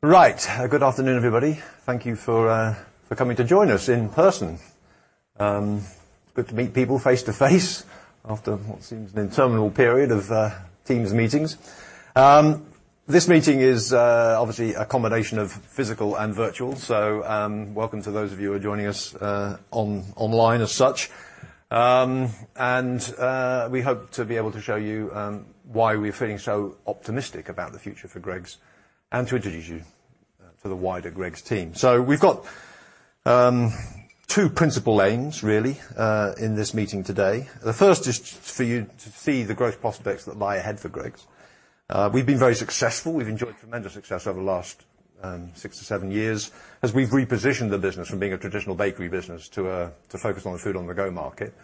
Right. Good afternoon, everybody. Thank you for coming to join us in person. It's good to meet people face-to-face after what seems an interminable period of Teams meetings. This meeting is obviously a combination of physical and virtual. Welcome to those of you who are joining us online as such. We hope to be able to show you why we're feeling so optimistic about the future for Greggs and to introduce you to the wider Greggs team. We've got two principal aims really, in this meeting today. The first is for you to see the growth prospects that lie ahead for Greggs. We've been very successful. We've enjoyed tremendous success over the last six to seven years as we've repositioned the business from being a traditional bakery business to focused on the food-on-the-go market.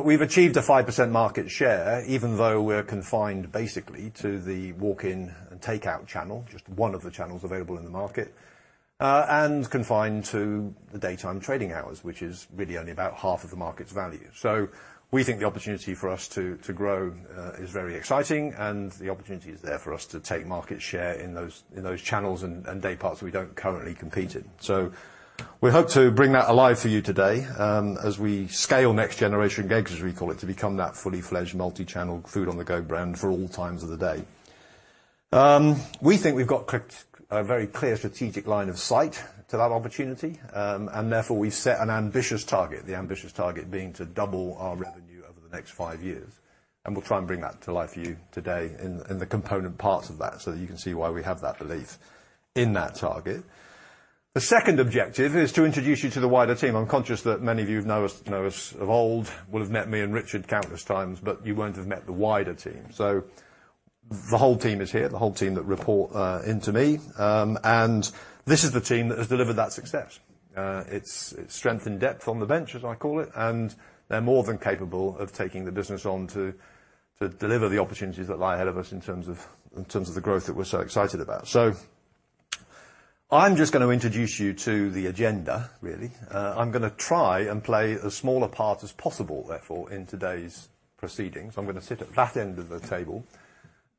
We've achieved a 5% market share, even though we're confined basically to the walk-in and takeout channel, just one of the channels available in the market, and confined to the daytime trading hours, which is really only about half of the market's value. We think the opportunity for us to grow is very exciting, and the opportunity is there for us to take market share in those channels and day parts that we don't currently compete in. We hope to bring that alive for you today as we scale next generation Greggs, as we call it, to become that fully fledged multi-channel food-on-the-go brand for all times of the day. We think we've got a very clear strategic line of sight to that opportunity, and therefore we've set an ambitious target, the ambitious target being to double our revenue over the next five years. We'll try and bring that to life for you today and the component parts of that so that you can see why we have that belief in that target. The second objective is to introduce you to the wider team. I'm conscious that many of you who know us of old will have met me and Richard countless times, but you won't have met the wider team. The whole team is here, the whole team that report into me, and this is the team that has delivered that success. It's strength in depth on the bench, as I call it, and they're more than capable of taking the business on to deliver the opportunities that lie ahead of us in terms of the growth that we're so excited about. I'm just going to introduce you to the agenda, really. I'm going to try and play as small a part as possible, therefore, in today's proceedings. I'm going to sit at that end of the table,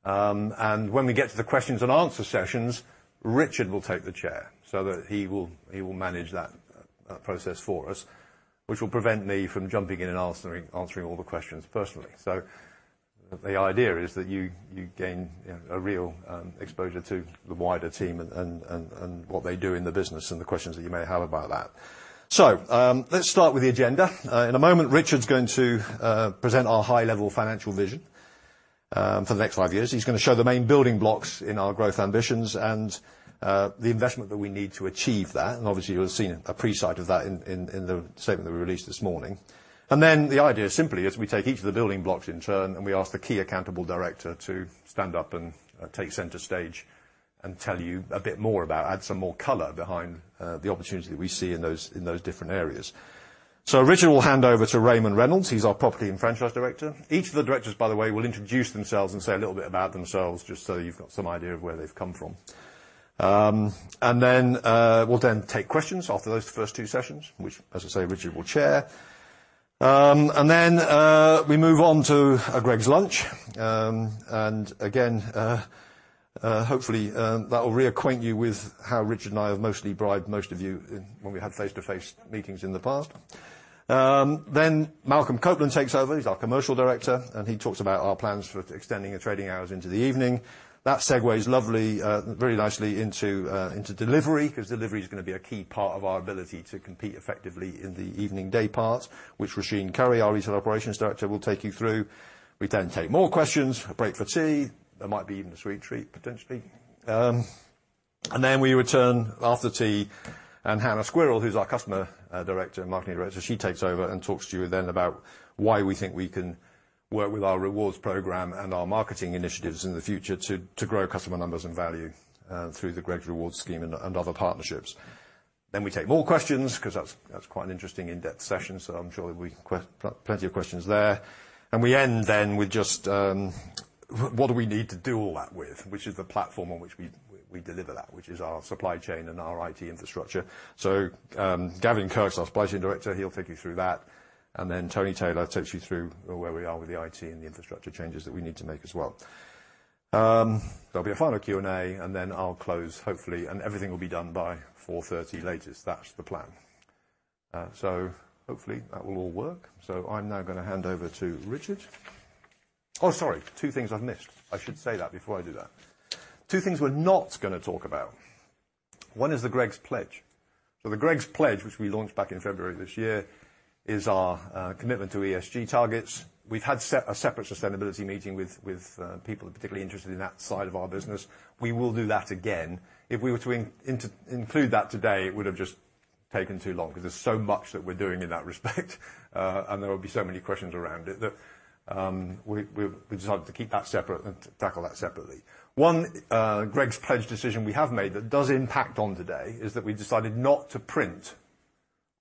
and when we get to the questions and answer sessions, Richard will take the chair so that he will manage that process for us, which will prevent me from jumping in and answering all the questions personally. The idea is that you gain a real exposure to the wider team and what they do in the business and the questions that you may have about that. Let's start with the agenda. In a moment, Richard's going to present our high-level financial vision for the next five years. He's going to show the main building blocks in our growth ambitions and the investment that we need to achieve that, obviously you'll have seen a pre-sight of that in the statement that we released this morning. The idea simply is we take each of the building blocks in turn, and we ask the key accountable director to stand up and take center stage and tell you a bit more about, add some more color behind the opportunity that we see in those different areas. Richard will hand over to Raymond Reynolds. He's our Property and Franchise Director. Each of the directors, by the way, will introduce themselves and say a little bit about themselves, just so you've got some idea of where they've come from. We'll then take questions after those first two sessions, which, as I say, Richard will chair. We move on to a Greggs lunch, and again, hopefully, that will reacquaint you with how Richard and I have mostly bribed most of you when we had face-to-face meetings in the past. Malcolm Copland takes over. He's our commercial director, and he talks about our plans for extending the trading hours into the evening. That segues very nicely into delivery, because delivery is going to be a key part of our ability to compete effectively in the evening day parts, which Roisin Currie, our retail operations director, will take you through. We then take more questions, a break for tea. There might be even a sweet treat, potentially. Then we return after tea, and Hannah Squirrell, who's our Customer Director and Marketing Director, she takes over and talks to you then about why we think we can work with our rewards program and our marketing initiatives in the future to grow customer numbers and value through the Greggs Rewards scheme and other partnerships. We take more questions because that's quite an interesting in-depth session, so I'm sure we can get plenty of questions there. We end then with just what do we need to do all that with, which is the platform on which we deliver that, which is our supply chain and our IT infrastructure. Gavin Kirk, our Supply Chain Director, he'll take you through that, and then Tony Taylor takes you through where we are with the IT and the infrastructure changes that we need to make as well. There will be a final Q&A, and then I will close, hopefully, and everything will be done by 4:30 P.M. latest. That is the plan. Hopefully that will all work. I am now going to hand over to Richard. Oh, sorry. Two things I have missed. I should say that before I do that. Two things we are not going to talk about. One is the Greggs Pledge. The Greggs Pledge, which we launched back in February of this year, is our commitment to ESG targets. We have had a separate sustainability meeting with people particularly interested in that side of our business. We will do that again. If we were to include that today, it would have just taken too long because there is so much that we are doing in that respect and there would be so many questions around it that we decided to keep that separate and tackle that separately. One Greggs Pledge decision we have made that does impact on today is that we decided not to print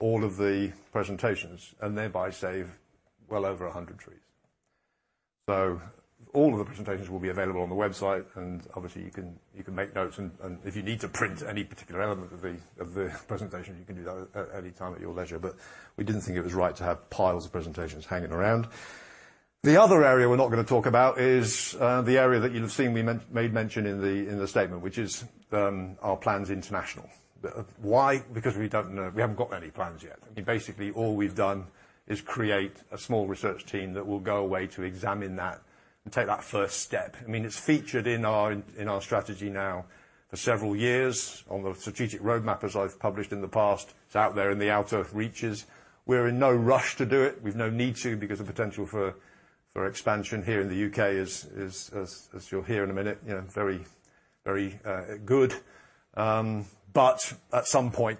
all of the presentations and thereby save well over 100 trees. All of the presentations will be available on the website, and obviously you can make notes, and if you need to print any particular element of the presentation, you can do that at any time at your leisure. We didn't think it was right to have piles of presentations hanging around. The other area we're not going to talk about is the area that you'll have seen me made mention in the statement, which is our plans international. Why? We haven't got any plans yet. Basically, all we've done is create a small research team that will go away to examine that and take that first step. It's featured in our strategy now for several years on the strategic roadmap, as I've published in the past. It's out there in the outer reaches. We're in no rush to do it. We've no need to because the potential for expansion here in the U.K. is, as you'll hear in a minute, very good. At some point,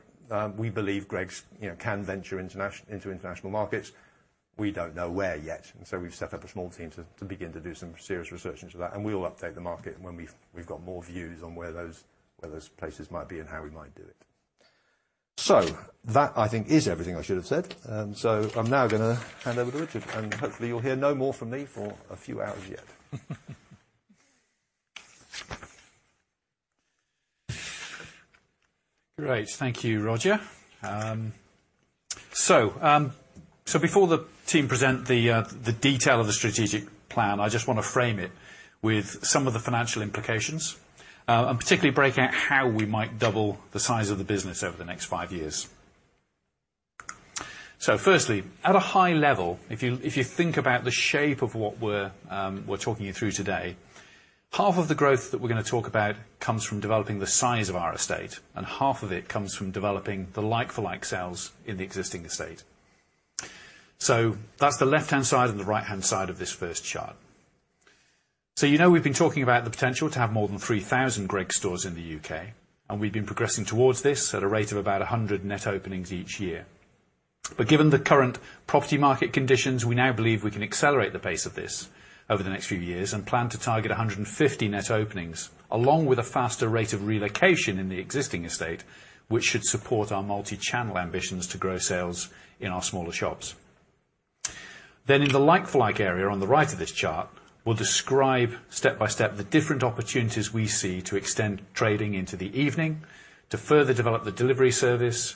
we believe Greggs can venture into international markets. We don't know where yet, and so we've set up a small team to begin to do some serious research into that, and we will update the market when we've got more views on where those places might be and how we might do it. That, I think, is everything I should have said. I'm now going to hand over to Richard, and hopefully you'll hear no more from me for a few hours yet. Great. Thank you, Roger. Before the team present the detail of the strategic plan, I just want to frame it with some of the financial implications, and particularly break out how we might double the size of the business over the next five years. Firstly, at a high level, if you think about the shape of what we're talking you through today, half of the growth that we're going to talk about comes from developing the size of our estate, and half of it comes from developing the like-for-like sales in the existing estate. That's the left-hand side and the right-hand side of this first chart. You know we've been talking about the potential to have more than 3,000 Greggs stores in the U.K., and we've been progressing towards this at a rate of about 100 net openings each year. Given the current property market conditions, we now believe we can accelerate the pace of this over the next few years and plan to target 150 net openings, along with a faster rate of relocation in the existing estate, which should support our multi-channel ambitions to grow sales in our smaller shops. In the like-for-like area on the right of this chart, we'll describe step by step the different opportunities we see to extend trading into the evening, to further develop the delivery service,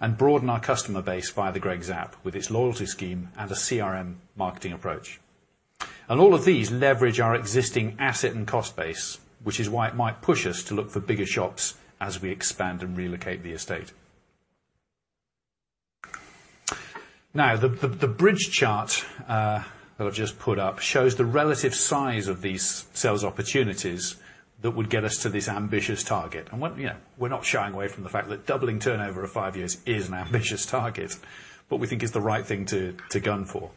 and broaden our customer base via the Greggs App with its loyalty scheme and a CRM marketing approach. All of these leverage our existing asset and cost base, which is why it might push us to look for bigger shops as we expand and relocate the estate. The bridge chart that I've just put up shows the relative size of these sales opportunities that would get us to this ambitious target. We're not shying away from the fact that doubling turnover at five years is an ambitious target, but we think it's the right thing to gun for.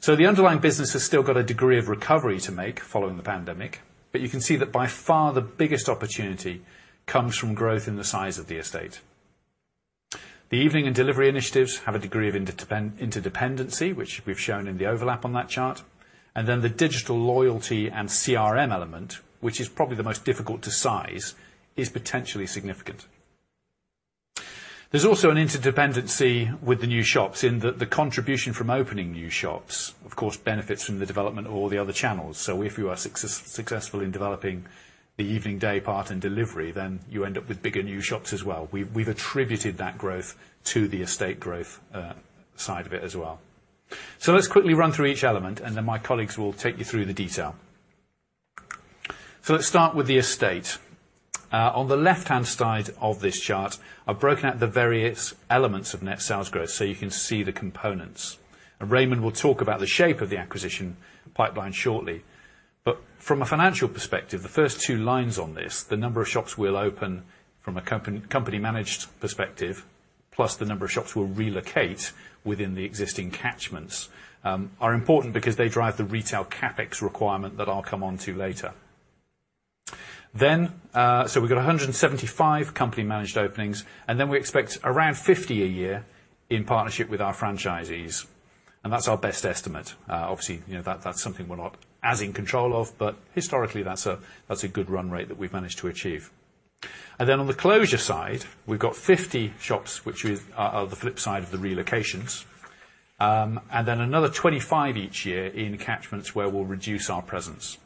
The underlying business has still got a degree of recovery to make following the pandemic, but you can see that by far the biggest opportunity comes from growth in the size of the estate. The evening and delivery initiatives have a degree of interdependency, which we've shown in the overlap on that chart, and then the digital loyalty and CRM element, which is probably the most difficult to size, is potentially significant. There's also an interdependency with the new shops in that the contribution from opening new shops, of course, benefits from the development of all the other channels. If you are successful in developing the evening day part and delivery, then you end up with bigger new shops as well. We've attributed that growth to the estate growth side of it as well. Let's quickly run through each element, and then my colleagues will take you through the detail. Let's start with the estate. On the left-hand side of this chart, I've broken out the various elements of net sales growth so you can see the components. Raymond will talk about the shape of the acquisition pipeline shortly. From a financial perspective, the first two lines on this, the number of shops we'll open from a company-managed perspective, plus the number of shops we'll relocate within the existing catchments, are important because they drive the retail CapEx requirement that I'll come onto later. We've got 175 company-managed openings, and then we expect around 50 a year in partnership with our franchisees, and that's our best estimate. Obviously, that's something we're not as in control of, but historically, that's a good run rate that we've managed to achieve. On the closure side, we've got 50 shops which are the flip side of the relocations, and then another 25 each year in catchments where we'll reduce our presence.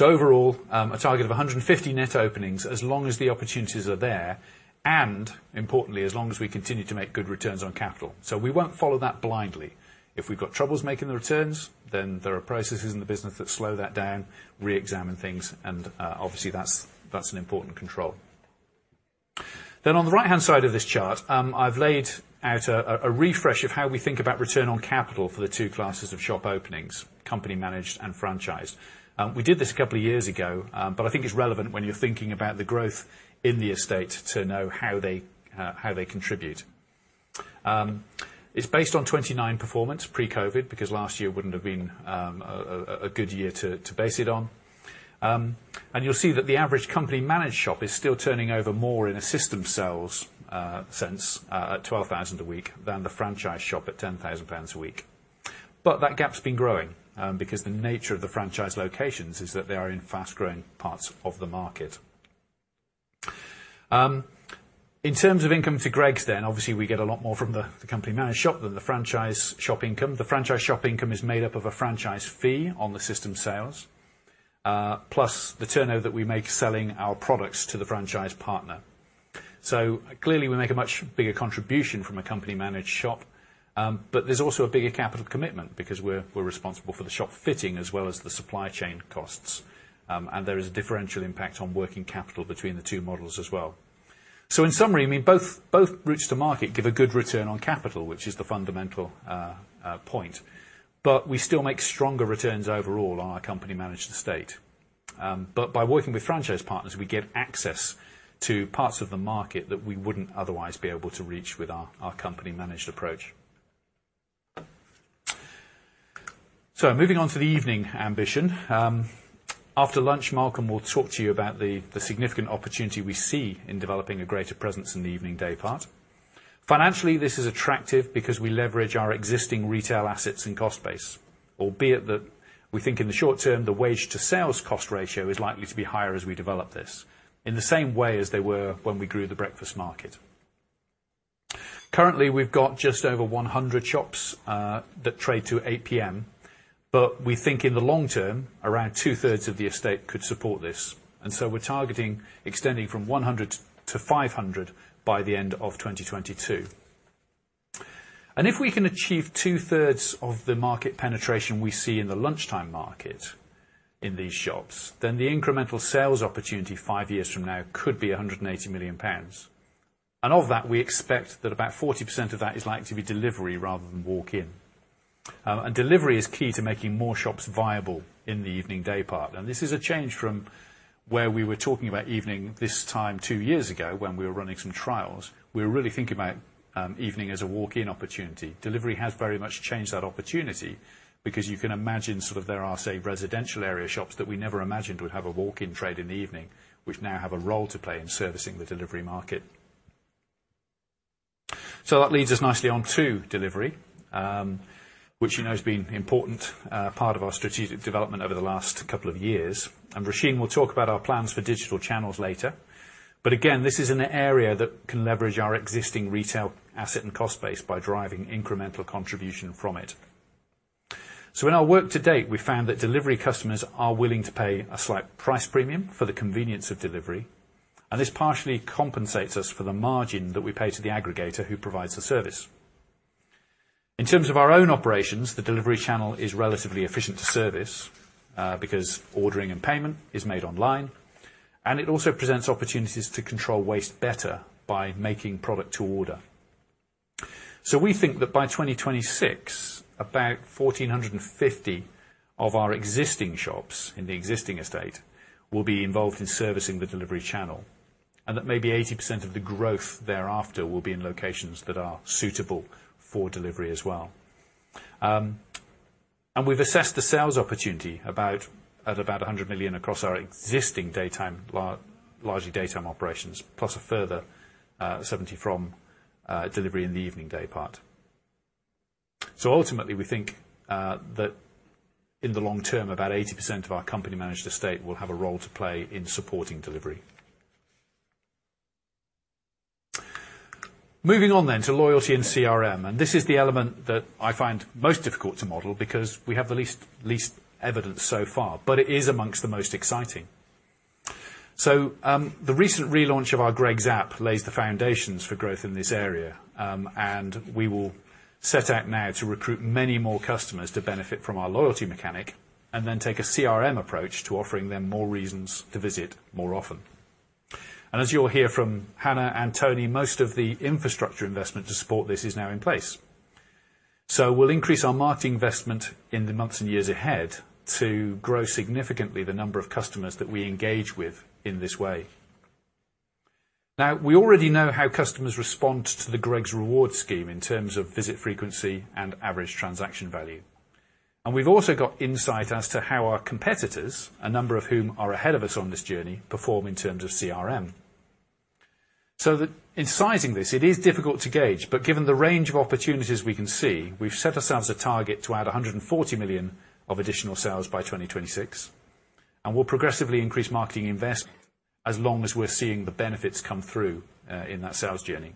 Overall, a target of 150 net openings as long as the opportunities are there, and importantly, as long as we continue to make good returns on capital. We won't follow that blindly. If we've got troubles making the returns, then there are processes in the business that slow that down, reexamine things, and obviously that's an important control. On the right-hand side of this chart, I've laid out a refresh of how we think about return on capital for the two classes of shop openings, company managed and franchised. We did this a couple of years ago, but I think it's relevant when you're thinking about the growth in the estate to know how they contribute. It's based on 2019 performance pre-COVID, because last year wouldn't have been a good year to base it on. You'll see that the average company managed shop is still turning over more in a system sales sense at 12,000 a week than the franchise shop at 10,000 pounds a week. That gap's been growing, because the nature of the franchise locations is that they are in fast-growing parts of the market. In terms of income to Greggs, obviously, we get a lot more from the company managed shop than the franchise shop income. The franchise shop income is made up of a franchise fee on the system sales plus the turnover that we make selling our products to the franchise partner. Clearly we make a much bigger contribution from a company managed shop, but there's also a bigger capital commitment because we're responsible for the shop fitting as well as the supply chain costs. There is a differential impact on working capital between the two models as well. In summary, both routes to market give a good return on capital, which is the fundamental point. We still make stronger returns overall on our company managed estate. By working with franchise partners, we get access to parts of the market that we wouldn't otherwise be able to reach with our company managed approach. Moving on to the evening ambition. After lunch, Malcolm will talk to you about the significant opportunity we see in developing a greater presence in the evening day part. Financially, this is attractive because we leverage our existing retail assets and cost base, albeit that we think in the short term, the wage to sales cost ratio is likely to be higher as we develop this, in the same way as they were when we grew the breakfast market. Currently, we've got just over 100 shops that trade to 8:00 P.M., but we think in the long term, around two-thirds of the estate could support this. We're targeting extending from 100-500 by the end of 2022. If we can achieve 2/3 of the market penetration we see in the lunchtime market in these shops, then the incremental sales opportunity five years from now could be 180 million pounds. Of that, we expect that about 40% of that is likely to be delivery rather than walk-in. Delivery is key to making more shops viable in the evening day part. This is a change from where we were talking about evening this time two years ago when we were running some trials. We were really thinking about evening as a walk-in opportunity. Delivery has very much changed that opportunity because you can imagine sort of there are, say, residential area shops that we never imagined would have a walk-in trade in the evening, which now have a role to play in servicing the delivery market. That leads us nicely on to delivery, which you know has been important part of our strategic development over the last couple of years. Roisin will talk about our plans for digital channels later. Again, this is an area that can leverage our existing retail asset and cost base by driving incremental contribution from it. In our work to date, we found that delivery customers are willing to pay a slight price premium for the convenience of delivery, and this partially compensates us for the margin that we pay to the aggregator who provides the service. In terms of our own operations, the delivery channel is relatively efficient to service because ordering and payment is made online, and it also presents opportunities to control waste better by making product to order. We think that by 2026, about 1,450 of our existing shops in the existing estate will be involved in servicing the delivery channel, and that maybe 80% of the growth thereafter will be in locations that are suitable for delivery as well. We've assessed the sales opportunity at about 100 million across our existing largely daytime operations, plus a further 70 million from delivery in the evening day part. Ultimately, we think that in the long term, about 80% of our company managed estate will have a role to play in supporting delivery. Moving on to loyalty and CRM, this is the element that I find most difficult to model because we have the least evidence so far, but it is amongst the most exciting. The recent relaunch of our Greggs App lays the foundations for growth in this area, we will set out now to recruit many more customers to benefit from our loyalty mechanic, then take a CRM approach to offering them more reasons to visit more often. As you'll hear from Hannah and Tony, most of the infrastructure investment to support this is now in place. We'll increase our marketing investment in the months and years ahead to grow significantly the number of customers that we engage with in this way. We already know how customers respond to the Greggs Rewards scheme in terms of visit frequency and average transaction value. We've also got insight as to how our competitors, a number of whom are ahead of us on this journey, perform in terms of CRM. In sizing this, it is difficult to gauge, but given the range of opportunities we can see, we've set ourselves a target to add 140 million of additional sales by 2026, and we'll progressively increase marketing investment as long as we're seeing the benefits come through in that sales journey.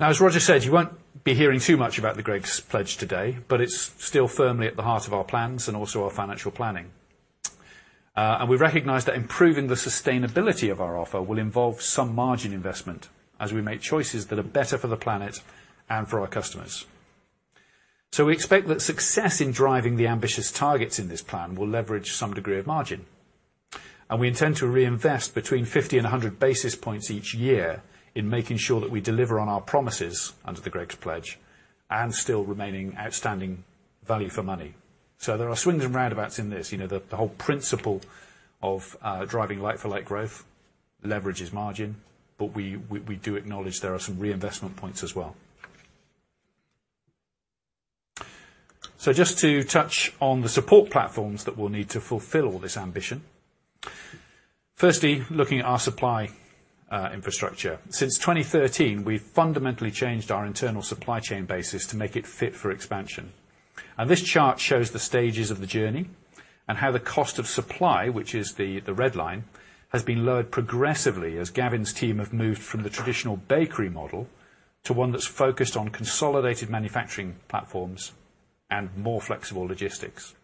As Roger said, you won't be hearing too much about The Greggs Pledge today, but it's still firmly at the heart of our plans and also our financial planning. We recognize that improving the sustainability of our offer will involve some margin investment as we make choices that are better for the planet and for our customers. We expect that success in driving the ambitious targets in this plan will leverage some degree of margin. We intend to reinvest between 50-100 basis points each year in making sure that we deliver on our promises under The Greggs Pledge and still remaining outstanding value for money. There are swings and roundabouts in this. The whole principle of driving like for like growth leverages margin, but we do acknowledge there are some reinvestment points as well. Just to touch on the support platforms that we'll need to fulfill all this ambition. Firstly, looking at our supply infrastructure. Since 2013, we've fundamentally changed our internal supply chain basis to make it fit for expansion. This chart shows the stages of the journey. How the cost of supply, which is the red line, has been lowered progressively as Gavin's team have moved from the traditional bakery model to one that's focused on consolidated manufacturing platforms and more flexible logistics.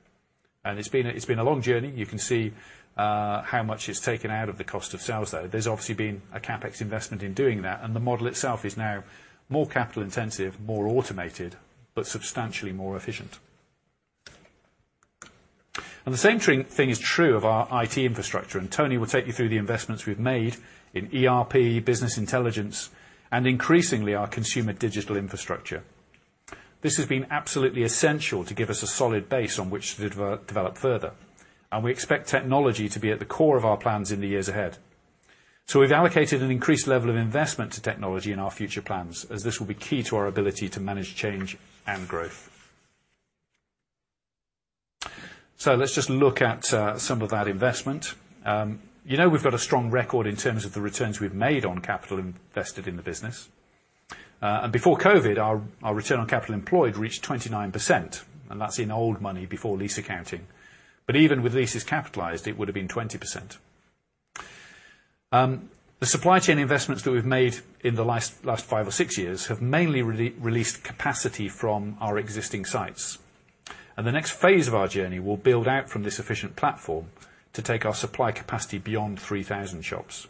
It's been a long journey. You can see how much it's taken out of the cost of sales, though. There's obviously been a CapEx investment in doing that, and the model itself is now more capital intensive, more automated, but substantially more efficient. The same thing is true of our IT infrastructure. Tony will take you through the investments we've made in ERP, business intelligence, and increasingly, our consumer digital infrastructure. This has been absolutely essential to give us a solid base on which to develop further. We expect technology to be at the core of our plans in the years ahead. We've allocated an increased level of investment to technology in our future plans, as this will be key to our ability to manage change and growth. Let's just look at some of that investment. You know we've got a strong record in terms of the returns we've made on capital invested in the business. Before COVID, our return on capital employed reached 29%, and that's in old money before lease accounting. Even with leases capitalized, it would have been 20%. The supply chain investments that we've made in the last five or six years have mainly released capacity from our existing sites. The next phase of our journey will build out from this efficient platform to take our supply capacity beyond 3,000 shops.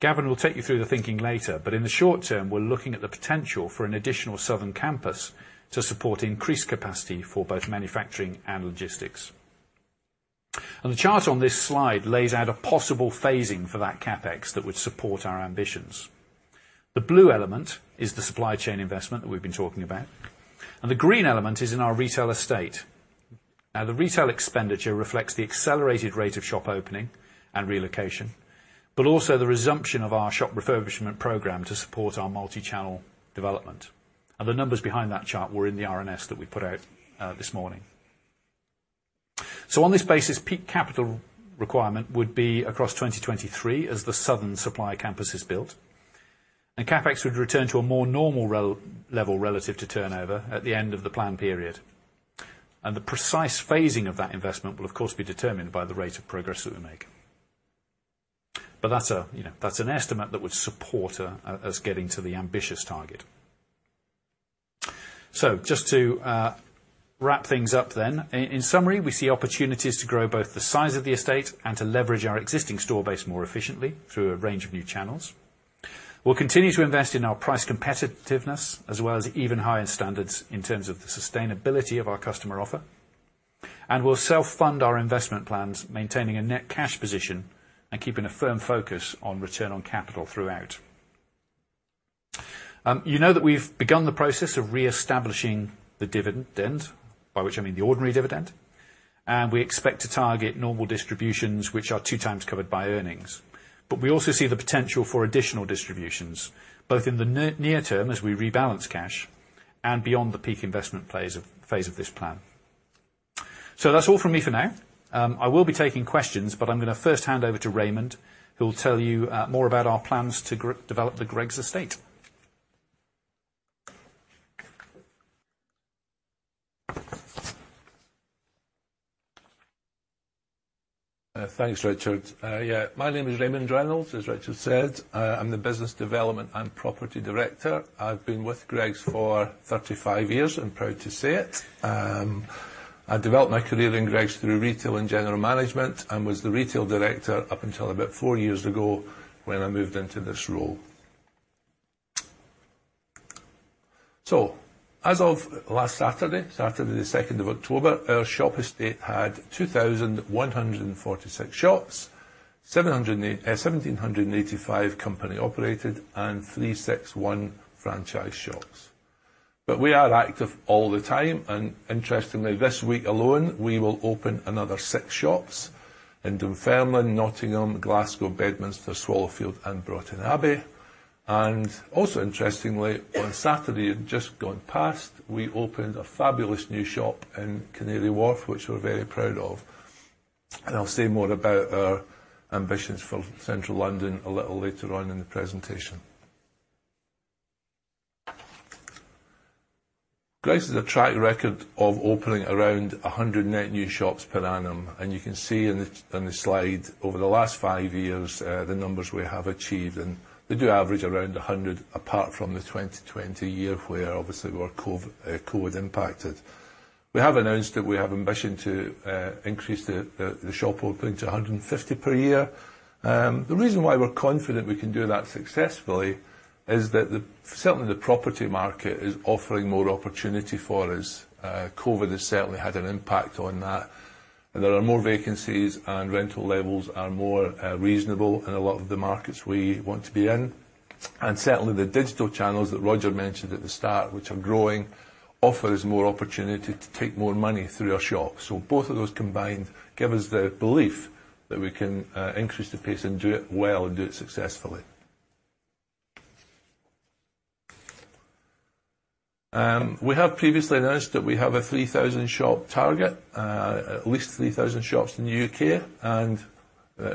Gavin will take you through the thinking later, but in the short term, we're looking at the potential for an additional southern campus to support increased capacity for both manufacturing and logistics. The chart on this slide lays out a possible phasing for that CapEx that would support our ambitions. The blue element is the supply chain investment that we've been talking about, and the green element is in our retail estate. Now, the retail expenditure reflects the accelerated rate of shop opening and relocation, but also the resumption of our shop refurbishment program to support our multi-channel development. The numbers behind that chart were in the RNS that we put out this morning. On this basis, peak capital requirement would be across 2023 as the Southern Supply Campus is built, and CapEx would return to a more normal level relative to turnover at the end of the plan period. The precise phasing of that investment will, of course, be determined by the rate of progress that we make. That's an estimate that would support us getting to the ambitious target. Just to wrap things up then. In summary, we see opportunities to grow both the size of the estate and to leverage our existing store base more efficiently through a range of new channels. We'll continue to invest in our price competitiveness as well as even higher standards in terms of the sustainability of our customer offer. We'll self-fund our investment plans, maintaining a net cash position, and keeping a firm focus on return on capital throughout. You know that we've begun the process of reestablishing the dividend, by which I mean the ordinary dividend, and we expect to target normal distributions which are two times covered by earnings. We also see the potential for additional distributions, both in the near term as we rebalance cash and beyond the peak investment phase of this plan. That's all from me for now. I will be taking questions, but I'm going to first hand over to Raymond, who will tell you more about our plans to develop the Greggs estate. Thanks, Richard. My name is Raymond Reynolds, as Richard said. I'm the Business Development and Property Director. I've been with Greggs for 35 years and proud to say it. I developed my career in Greggs through retail and general management and was the Retail Director up until about four years ago when I moved into this role. As of last Saturday the October 2nd, our shop estate had 2,146 shops, 1,785 company operated and 361 franchise shops. We are active all the time. Interestingly, this week alone, we will open another six shops in Dunfermline, Nottingham, Glasgow, Bedminster, Swallowfield and Broughton Astley. Also interestingly, on Saturday just gone past, we opened a fabulous new shop in Canary Wharf, which we're very proud of. I'll say more about our ambitions for central London a little later on in the presentation. Greggs has a track record of opening around 100 net new shops per annum. You can see in the slide over the last five years, the numbers we have achieved, and they do average around 100 apart from the 2020 year where obviously we were COVID impacted. We have announced that we have ambition to increase the shop opening to 150 per year. The reason why we're confident we can do that successfully is that certainly the property market is offering more opportunity for us. COVID has certainly had an impact on that. There are more vacancies and rental levels are more reasonable in a lot of the markets we want to be in. Certainly the digital channels that Roger mentioned at the start, which are growing, offers more opportunity to take more money through our shops. Both of those combined give us the belief that we can increase the pace and do it well and do it successfully. We have previously announced that we have a 3,000 shop target, at least 3,000 shops in the U.K.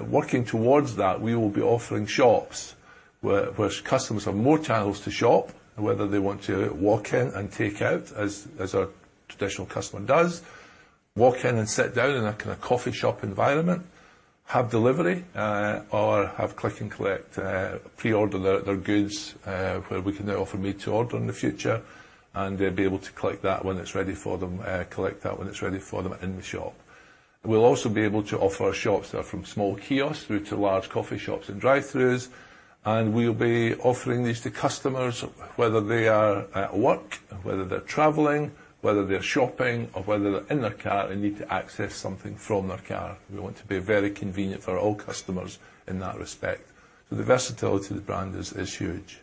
Working towards that, we will be offering shops where customers have more channels to shop, whether they want to walk-in and take out as our traditional customer does, walk-in and sit down in a coffee shop environment, have delivery, or have click and collect, pre-order their goods, where we can now offer made to order in the future, and they'll be able to collect that when it's ready for them in the shop. We'll also be able to offer our shops that are from small kiosks through to large coffee shops and drive-throughs. We'll be offering these to customers, whether they are at work, whether they're traveling, whether they're shopping, or whether they're in their car and need to access something from their car. We want to be very convenient for all customers in that respect. The versatility of the brand is huge.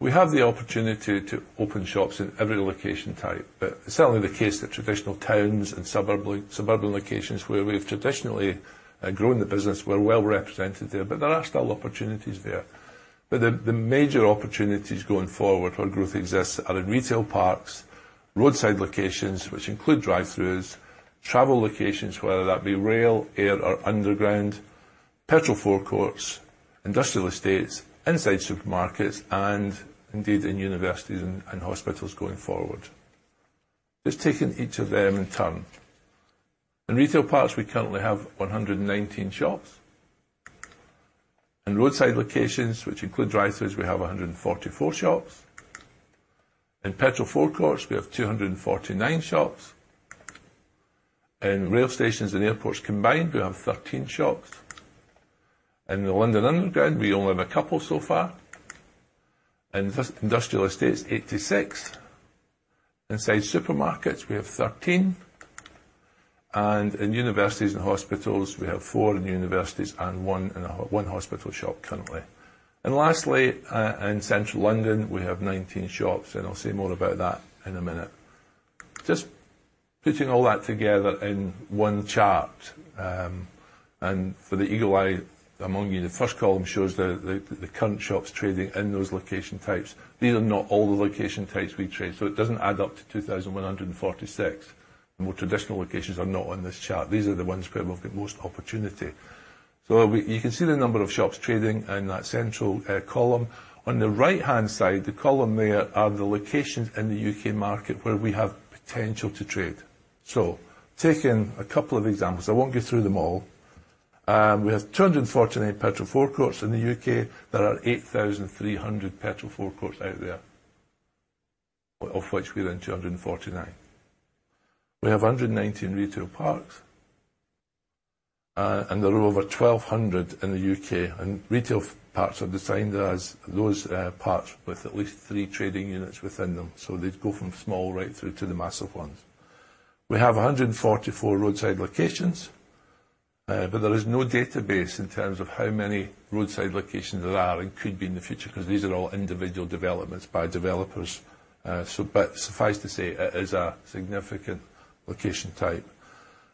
We have the opportunity to open shops in every location type, certainly the case that traditional towns and suburban locations where we've traditionally grown the business, we're well represented there. There are still opportunities there. The major opportunities going forward where growth exists are in retail parks, roadside locations, which include drive-throughs, travel locations, whether that be rail, air or underground, petrol forecourts, industrial estates, inside supermarkets, and indeed in universities and hospitals going forward. Just taking each of them in turn. In retail parks, we currently have 119 shops. In roadside locations, which include drive-throughs, we have 144 shops. In petrol forecourts, we have 249 shops. In rail stations and airports combined, we have 13 shops. In the London Underground, we only have a couple so far. In industrial estates, 86. Inside supermarkets, we have 13. In universities and hospitals, we have four in universities and one hospital shop currently. Lastly, in Central London, we have 19 shops, and I'll say more about that in a minute. Just putting all that together in one chart. For the eagle eye among you, the first column shows the current shops trading in those location types. These are not all the location types we trade, so it doesn't add up to 2,146. More traditional locations are not on this chart. These are the ones where we've got most opportunity. You can see the number of shops trading in that central column. On the right-hand side, the column there are the locations in the U.K. market where we have potential to trade. Taking a couple of examples. I won't go through them all. We have 249 petrol forecourts in the U.K. There are 8,300 petrol forecourts out there, of which we are in 249. We have 119 retail parks, and there are over 1,200 in the U.K. Retail parks are designed as those parks with at least three trading units within them, so they go from small right through to the massive ones. We have 144 roadside locations, but there is no database in terms of how many roadside locations there are and could be in the future because these are all individual developments by developers. Suffice to say, it is a significant location type.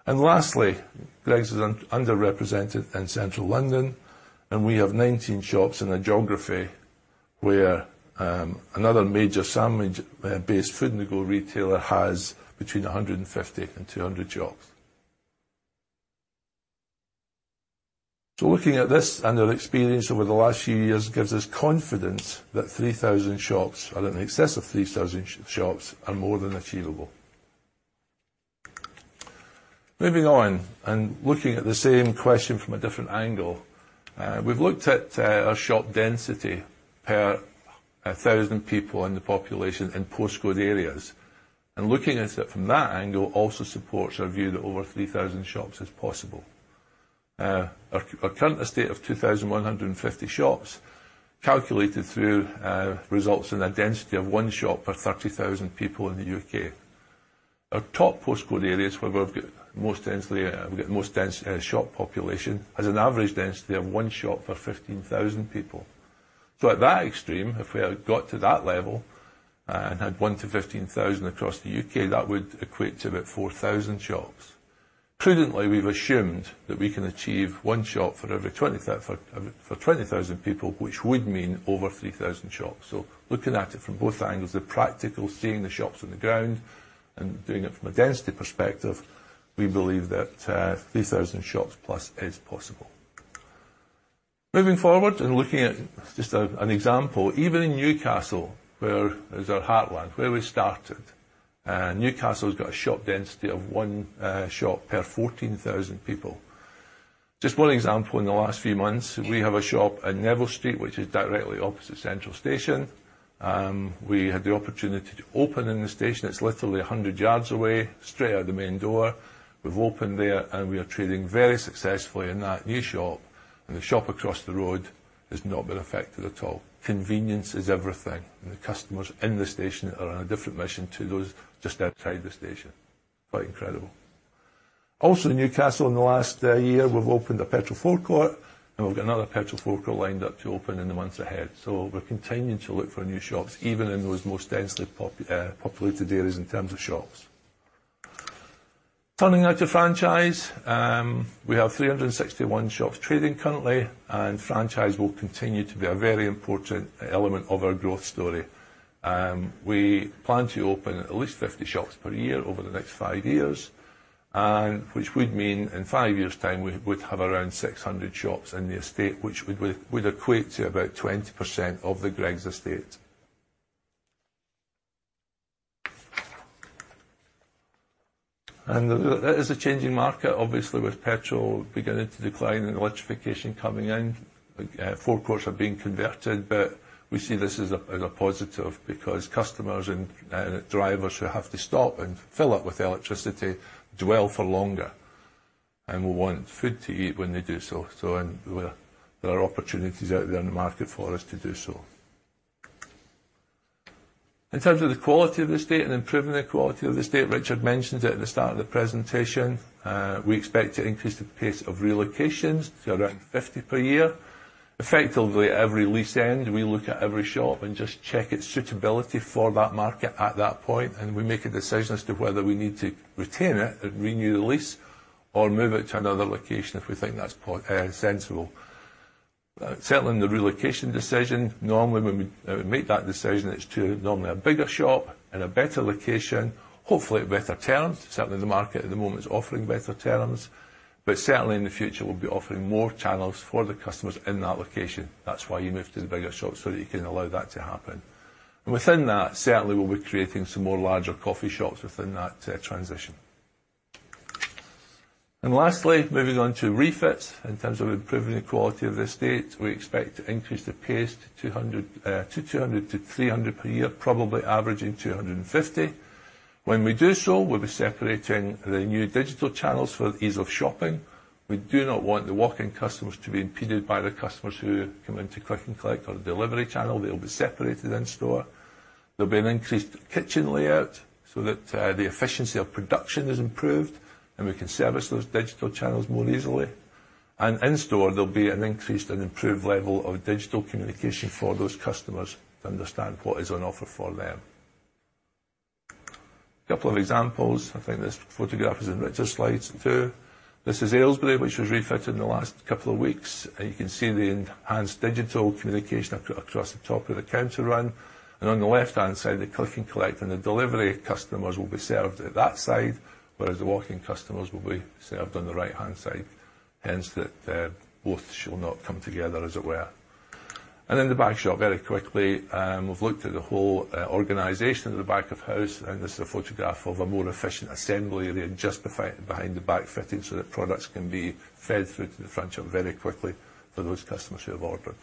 Lastly, Greggs is underrepresented in Central London, and we have 19 shops in a geography where another major sandwich-based food-on-the-go retailer has between 150 and 200 shops. Looking at this and our experience over the last few years gives us confidence that 3,000 shops or in excess of 3,000 shops are more than achievable. Moving on and looking at the same question from a different angle. We've looked at our shop density per 1,000 people in the population in post code areas. Looking at it from that angle also supports our view that over 3,000 shops is possible. Our current estate of 2,150 shops calculated through results in a density of one shop per 30,000 people in the U.K. Our top postcode areas where we've got most dense shop population has an average density of one shop per 15,000 people. At that extreme, if we got to that level and had 1-15,000 across the U.K., that would equate to about 4,000 shops. Prudently, we've assumed that we can achieve one shop for every 20,000 people, which would mean over 3,000 shops. Looking at it from both angles, the practical, seeing the shops on the ground and doing it from a density perspective, we believe that 3,000 shops plus is possible. Moving forward and looking at just one example. Even in Newcastle, where is our heartland, where we started. Newcastle's got a shop density of one shop per 14,000 people. Just one example in the last few months, we have a shop in Neville Street, which is directly opposite Central Station. We had the opportunity to open in the station. It's literally 100 yards away, straight out the main door. We've opened there, and we are trading very successfully in that new shop, and the shop across the road has not been affected at all. Convenience is everything, and the customers in the station are on a different mission to those just outside the station. Quite incredible. Also, in Newcastle in the last year, we've opened a petrol forecourt, and we've got another petrol forecourt lined up to open in the months ahead. We're continuing to look for new shops, even in those most densely populated areas in terms of shops. Turning now to franchise. We have 361 shops trading currently. Franchise will continue to be a very important element of our growth story. We plan to open at least 50 shops per year over the next five years, which would mean in five years' time, we would have around 600 shops in the estate, which would equate to about 20% of the Greggs estate. That is a changing market, obviously, with petrol beginning to decline and electrification coming in. Forecourts are being converted. We see this as a positive because customers and drivers who have to stop and fill up with electricity dwell for longer and will want food to eat when they do so. There are opportunities out there in the market for us to do so. In terms of the quality of estate and improving the quality of estate, Richard mentioned it at the start of the presentation. We expect to increase the pace of relocations to around 50 per year. Effectively, every lease end, we look at every shop and just check its suitability for that market at that point, and we make a decision as to whether we need to retain it and renew the lease or move it to another location if we think that's sensible. The relocation decision, normally when we make that decision, it's to normally a bigger shop in a better location, hopefully at better terms. The market at the moment is offering better terms. Certainly, in the future, we'll be offering more channels for the customers in that location. That's why you move to the bigger shop so that you can allow that to happen. Within that, certainly, we'll be creating some more larger coffee shops within that transition. Lastly, moving on to refits. In terms of improving the quality of the estate, we expect to increase the pace to 200-300 per year, probably averaging 250. When we do so, we'll be separating the new digital channels for ease of shopping. We do not want the walk-in customers to be impeded by the customers who come in to click and collect or the delivery channel. They'll be separated in store. There'll be an increased kitchen layout so that the efficiency of production is improved and we can service those digital channels more easily. In store, there'll be an increased and improved level of digital communication for those customers to understand what is on offer for them. Couple of examples. I think this photograph is in Richard's slides, too. This is Aylesbury, which was refitted in the last couple of weeks. You can see the enhanced digital communication across the top of the counter run. On the left-hand side, the click and collect and the delivery customers will be served at that side, whereas the walk-in customers will be served on the right-hand side, hence that both shall not come together, as it were. Then the back shop, very quickly. We've looked at the whole organization of the back of house, and this is a photograph of a more efficient assembly area just behind the back fitting so that products can be fed through to the front shop very quickly for those customers who have ordered.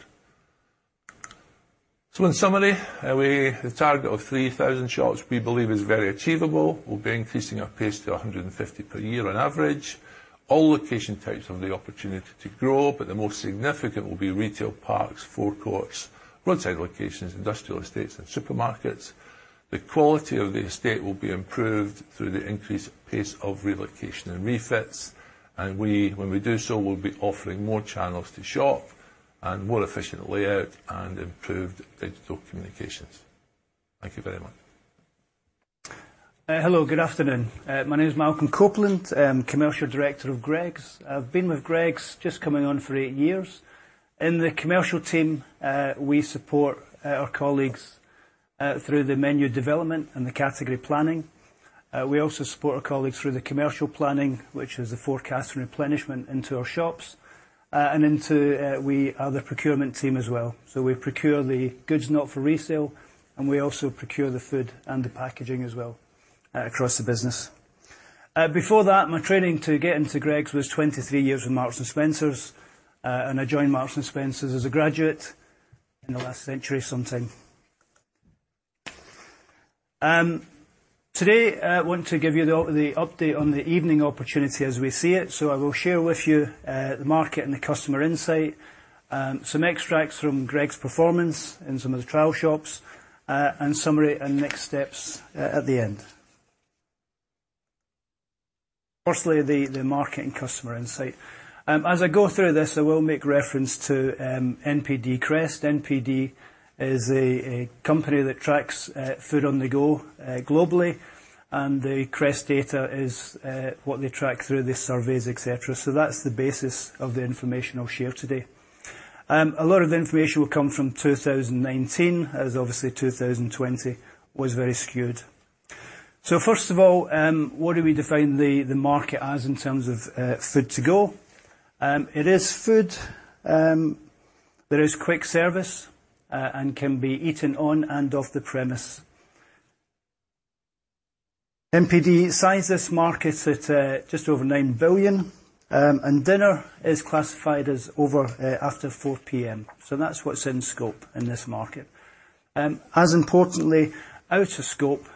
In summary, the target of 3,000 shops we believe is very achievable. We'll be increasing our pace to 150 per year on average. All location types have the opportunity to grow, but the most significant will be retail parks, forecourts, roadside locations, industrial estates, and supermarkets. The quality of the estate will be improved through the increased pace of relocation and refits, and when we do so, we will be offering more channels to shop and more efficient layout and improved digital communications. Thank you very much. Hello. Good afternoon. My name is Malcolm Copland, Commercial Director of Greggs. I've been with Greggs just coming on for eight years. In the commercial team, we support our colleagues through the menu development and the category planning. We also support our colleagues through the commercial planning, which is the forecast and replenishment into our shops and into the procurement team as well. We procure the goods not for resale, and we also procure the food and the packaging as well across the business. Before that, my training to get into Greggs was 23 years with Marks & Spencer, and I joined Marks & Spencer as a graduate in the last century sometime. Today, I want to give you the update on the evening opportunity as we see it. I will share with you the market and the customer insight, some extracts from Greggs' performance in some of the trial shops, and summary and next steps at the end. Firstly, the marketing customer insight. As I go through this, I will make reference to NPD CREST. NPD is a company that tracks food-on-the-go globally, and the CREST data is what they track through the surveys, et cetera. That's the basis of the information I'll share today. A lot of the information will come from 2019, as obviously 2020 was very skewed. First of all, what do we define the market as in terms of food-on-the-go? It is food that is quick service and can be eaten on and off the premise. NPD sizes markets at just over 9 billion and dinner is classified as over after 4:00 P.M. That's what's in scope in this market. As importantly, out of scope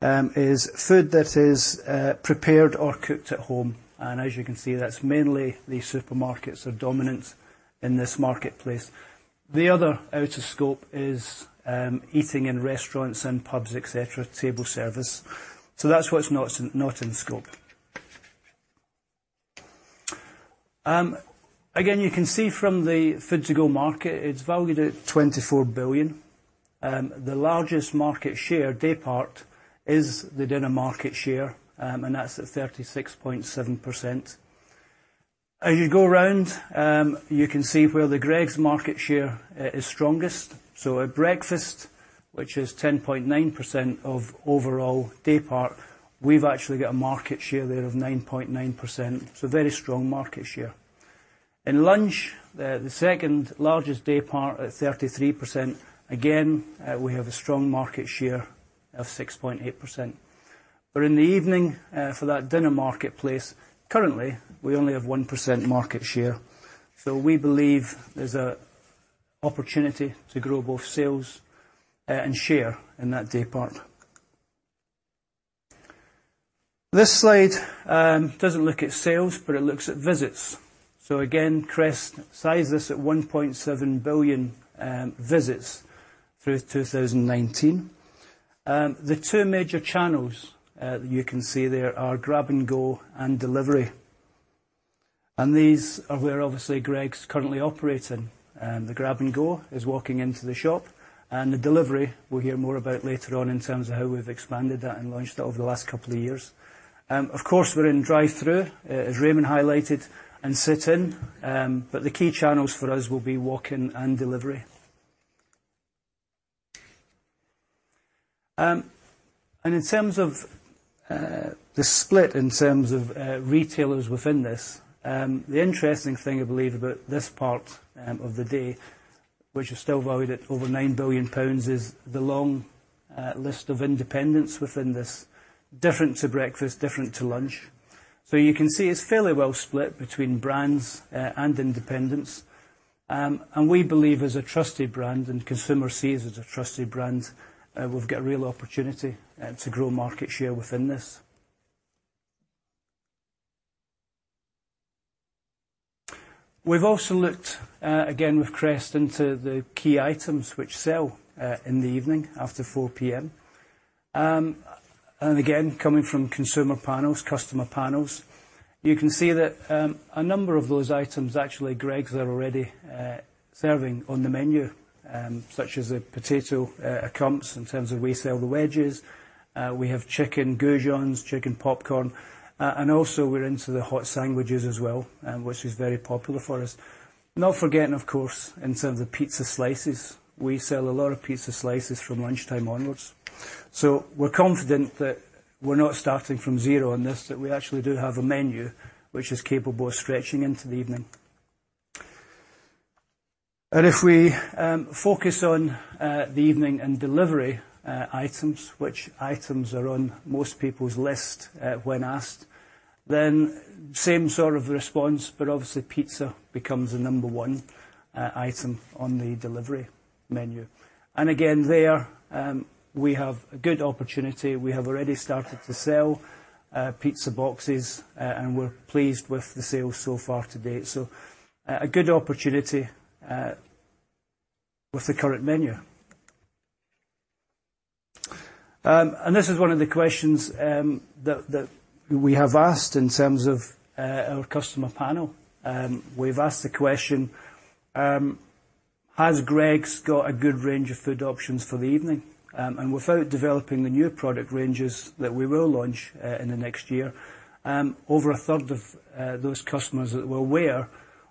is food that is prepared or cooked at home, and as you can see, that's mainly the supermarkets are dominant in this marketplace. The other out of scope is eating in restaurants and pubs, et cetera, table service. That's what's not in scope. Again, you can see from the food-on-the-go market, it's valued at 24 billion. The largest market share, daypart, is the dinner market share, and that's at 36.7%. As you go around, you can see where the Greggs market share is strongest. At breakfast, which is 10.9% of overall daypart, we've actually got a market share there of 9.9%, so very strong market share. In lunch, the second largest daypart at 33%, again, we have a strong market share of 6.8%. In the evening, for that dinner marketplace, currently, we only have 1% market share. We believe there's an opportunity to grow both sales and share in that daypart. This slide doesn't look at sales, but it looks at visits. Again, CREST sizes at 1.7 billion visits through 2019. The two major channels that you can see there are grab & go and Delivery. These are where obviously Greggs currently operate in. The grab & go is walking into the shop, the Delivery, we'll hear more about later on in terms of how we've expanded that and launched that over the last couple of years. We're in drive-thru, as Raymond highlighted, and sit-in, the key channels for us will be Walk-in and Delivery. In terms of the split in terms of retailers within this, the interesting thing, I believe, about this part of the day, which is still valued at over 9 billion pounds, is the long list of independents within this, different to breakfast, different to lunch. You can see it's fairly well split between brands and independents. We believe as a trusted brand, and consumer sees us as a trusted brand, we've got a real opportunity to grow market share within this. We've also looked, again with CREST, into the key items which sell in the evening after 4:00 P.M. Again, coming from consumer panels, customer panels, you can see that a number of those items actually Greggs are already serving on the menu, such as the potato wedges in terms of we sell the wedges. We have chicken goujons, chicken popcorn, also we're into the hot sandwiches as well, which is very popular for us. Not forgetting, of course, in terms of pizza slices, we sell a lot of pizza slices from lunchtime onwards. We're confident that we're not starting from zero on this, that we actually do have a menu which is capable of stretching into the evening. If we focus on the evening and delivery items, which items are on most people's list when asked, same sort of response, obviously pizza becomes the number one item on the delivery menu. Again, there, we have a good opportunity. We have already started to sell pizza boxes, and we're pleased with the sales so far to date. A good opportunity with the current menu. This is one of the questions that we have asked in terms of our customer panel. We've asked the question, "Has Greggs got a good range of food options for the evening?" Without developing the new product ranges that we will launch in the next year, over a 1/3 of those customers that were aware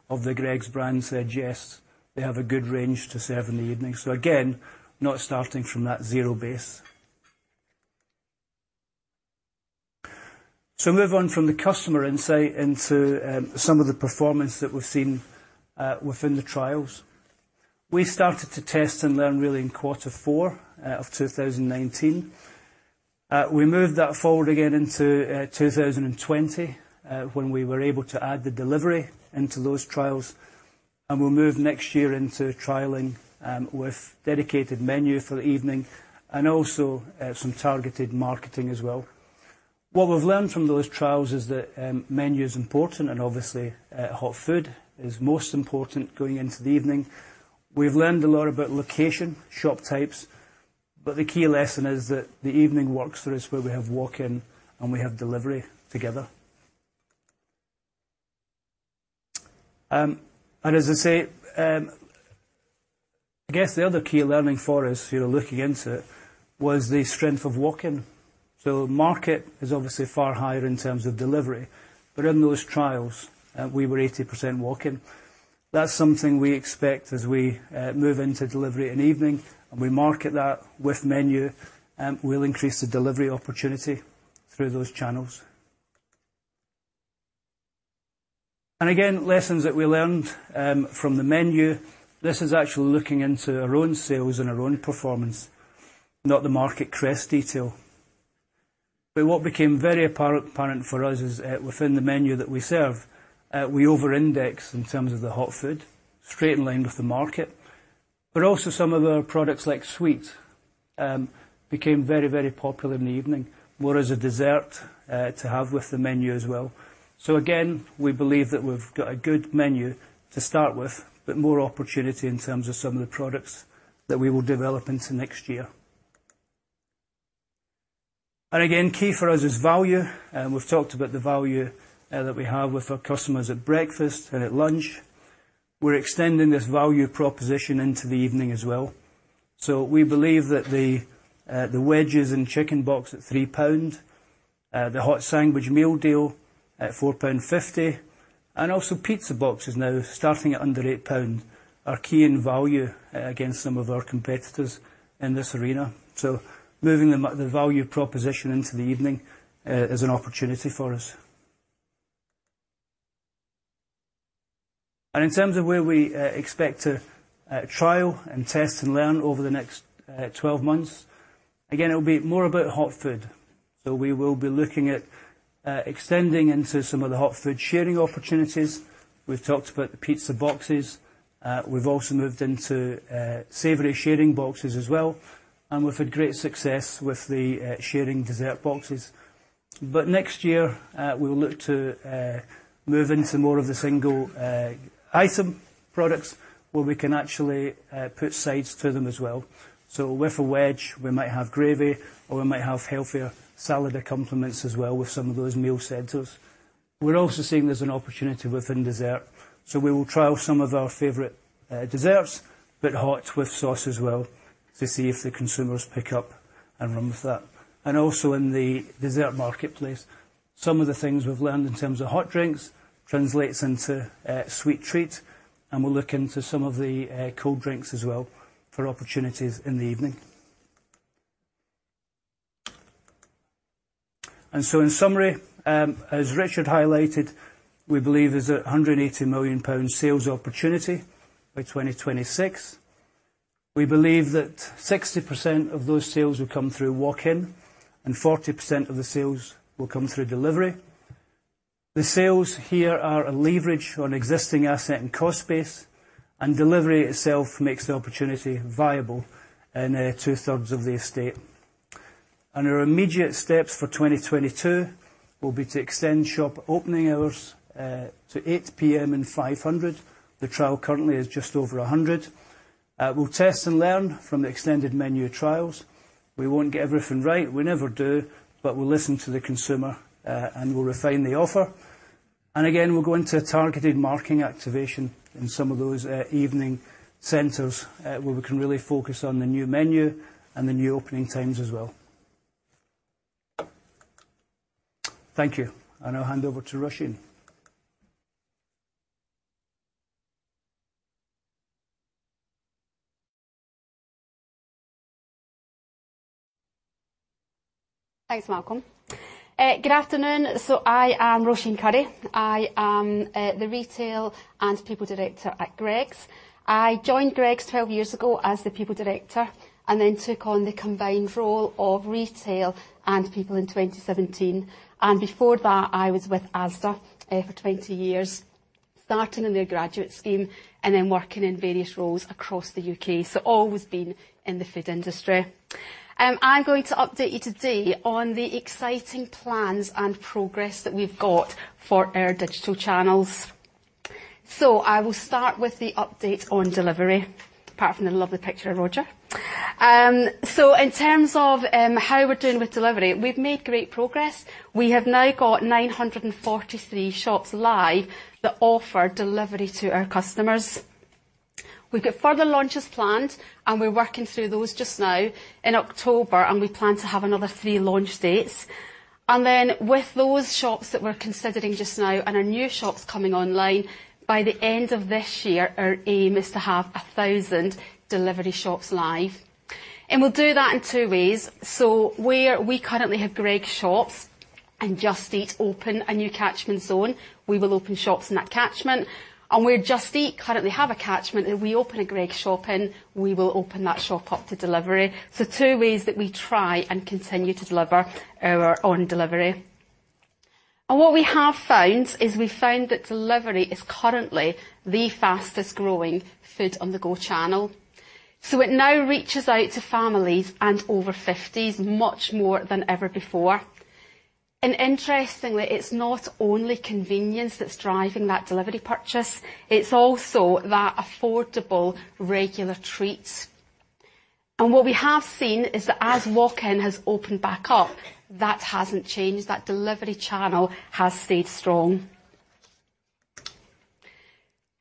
of the Greggs brand said, yes, they have a good range to serve in the evening. Again, not starting from that zero base. Move on from the customer insight into some of the performance that we've seen within the trials. We started to test and learn really in Q4 of 2019. We moved that forward again into 2020, when we were able to add the delivery into those trials, and we'll move next year into trialing with dedicated menu for the evening and also some targeted marketing as well. What we've learned from those trials is that menu is important, and obviously hot food is most important going into the evening. We've learned a lot about location, shop types, but the key lesson is that the evening works for us where we have walk-in and we have delivery together. As I say, I guess the other key learning for us looking into it was the strength of walk-in. Market is obviously far higher in terms of delivery, but in those trials, we were 80% walk-in. That's something we expect as we move into delivery and evening, and we market that with menu, we'll increase the delivery opportunity through those channels. Again, lessons that we learned from the menu. This is actually looking into our own sales and our own performance, not the market CREST detail. What became very apparent for us is within the menu that we serve, we over-index in terms of the hot food, straight in line with the market. Also some of our products like sweets, became very, very popular in the evening, more as a dessert to have with the menu as well. Again, we believe that we've got a good menu to start with, but more opportunity in terms of some of the products that we will develop into next year. Again, key for us is value. We've talked about the value that we have with our customers at breakfast and at lunch. We're extending this value proposition into the evening as well. We believe that the potato wedges and chicken box at 3 pound, the hot sandwich meal deal at 4.50 pound, and also pizza boxes now starting at under 8 pound, are key in value against some of our competitors in this arena. Moving the value proposition into the evening is an opportunity for us. In terms of where we expect to trial and test and learn over the next 12 months, again, it will be more about hot food. We will be looking at extending into some of the hot food sharing opportunities. We've talked about the pizza boxes. We've also moved into savory sharing boxes as well, and we've had great success with the sharing dessert boxes. Next year, we will look to move into more of the single item products where we can actually put sides to them as well. With potato wedges, we might have gravy, or we might have healthier salad accompaniments as well with some of those meal centers. We're also seeing there's an opportunity within dessert. We will trial some of our favorite desserts, but hot with sauce as well to see if the consumers pick up and run with that. Also in the dessert marketplace, some of the things we've learned in terms of hot drinks translates into sweet treats, and we'll look into some of the cold drinks as well for opportunities in the evening. In summary, as Richard highlighted, we believe there's a 180 million pound sales opportunity by 2026. We believe that 60% of those sales will come through walk-in, and 40% of the sales will come through delivery. The sales here are a leverage on existing asset and cost base. Delivery itself makes the opportunity viable in two-thirds of the estate. Our immediate steps for 2022 will be to extend shop opening hours to 8:00 P.M. in 500. The trial currently is just over 100. We'll test and learn from the extended menu trials. We won't get everything right, we never do, but we'll listen to the consumer. We'll refine the offer. Again, we'll go into targeted marketing activation in some of those evening centers where we can really focus on the new menu and the new opening times as well. Thank you. I now hand over to Roisin. Thanks, Malcolm. Good afternoon. I am Roisin Currie. I am the Retail and People Director at Greggs. I joined Greggs 12 years ago as the People Director, and then took on the combined role of Retail and People in 2017. Before that, I was with Asda for 20 years, starting in their graduate scheme and then working in various roles across the U.K. Always been in the food industry. I'm going to update you today on the exciting plans and progress that we've got for our digital channels. I will start with the update on delivery, apart from the lovely picture of Roger. In terms of how we're doing with delivery, we've made great progress. We have now got 943 shops live that offer delivery to our customers. We've got further launches planned. We're working through those just now in October, and we plan to have another three launch dates. With those shops that we're considering just now and our new shops coming online, by the end of this year, our aim is to have 1,000 delivery shops live. We'll do that in two ways. Where we currently have Greggs shops and Just Eat open a new catchment zone, we will open shops in that catchment. Where Just Eat currently have a catchment and we open a Greggs shop in, we will open that shop up to delivery. Two ways that we try and continue to deliver our own delivery. What we have found is we found that delivery is currently the fastest growing food-on-the-go channel. It now reaches out to families and over 50s much more than ever before. Interestingly, it's not only convenience that's driving that delivery purchase, it's also that affordable regular treats. What we have seen is that as walk-in has opened back up, that hasn't changed. That delivery channel has stayed strong.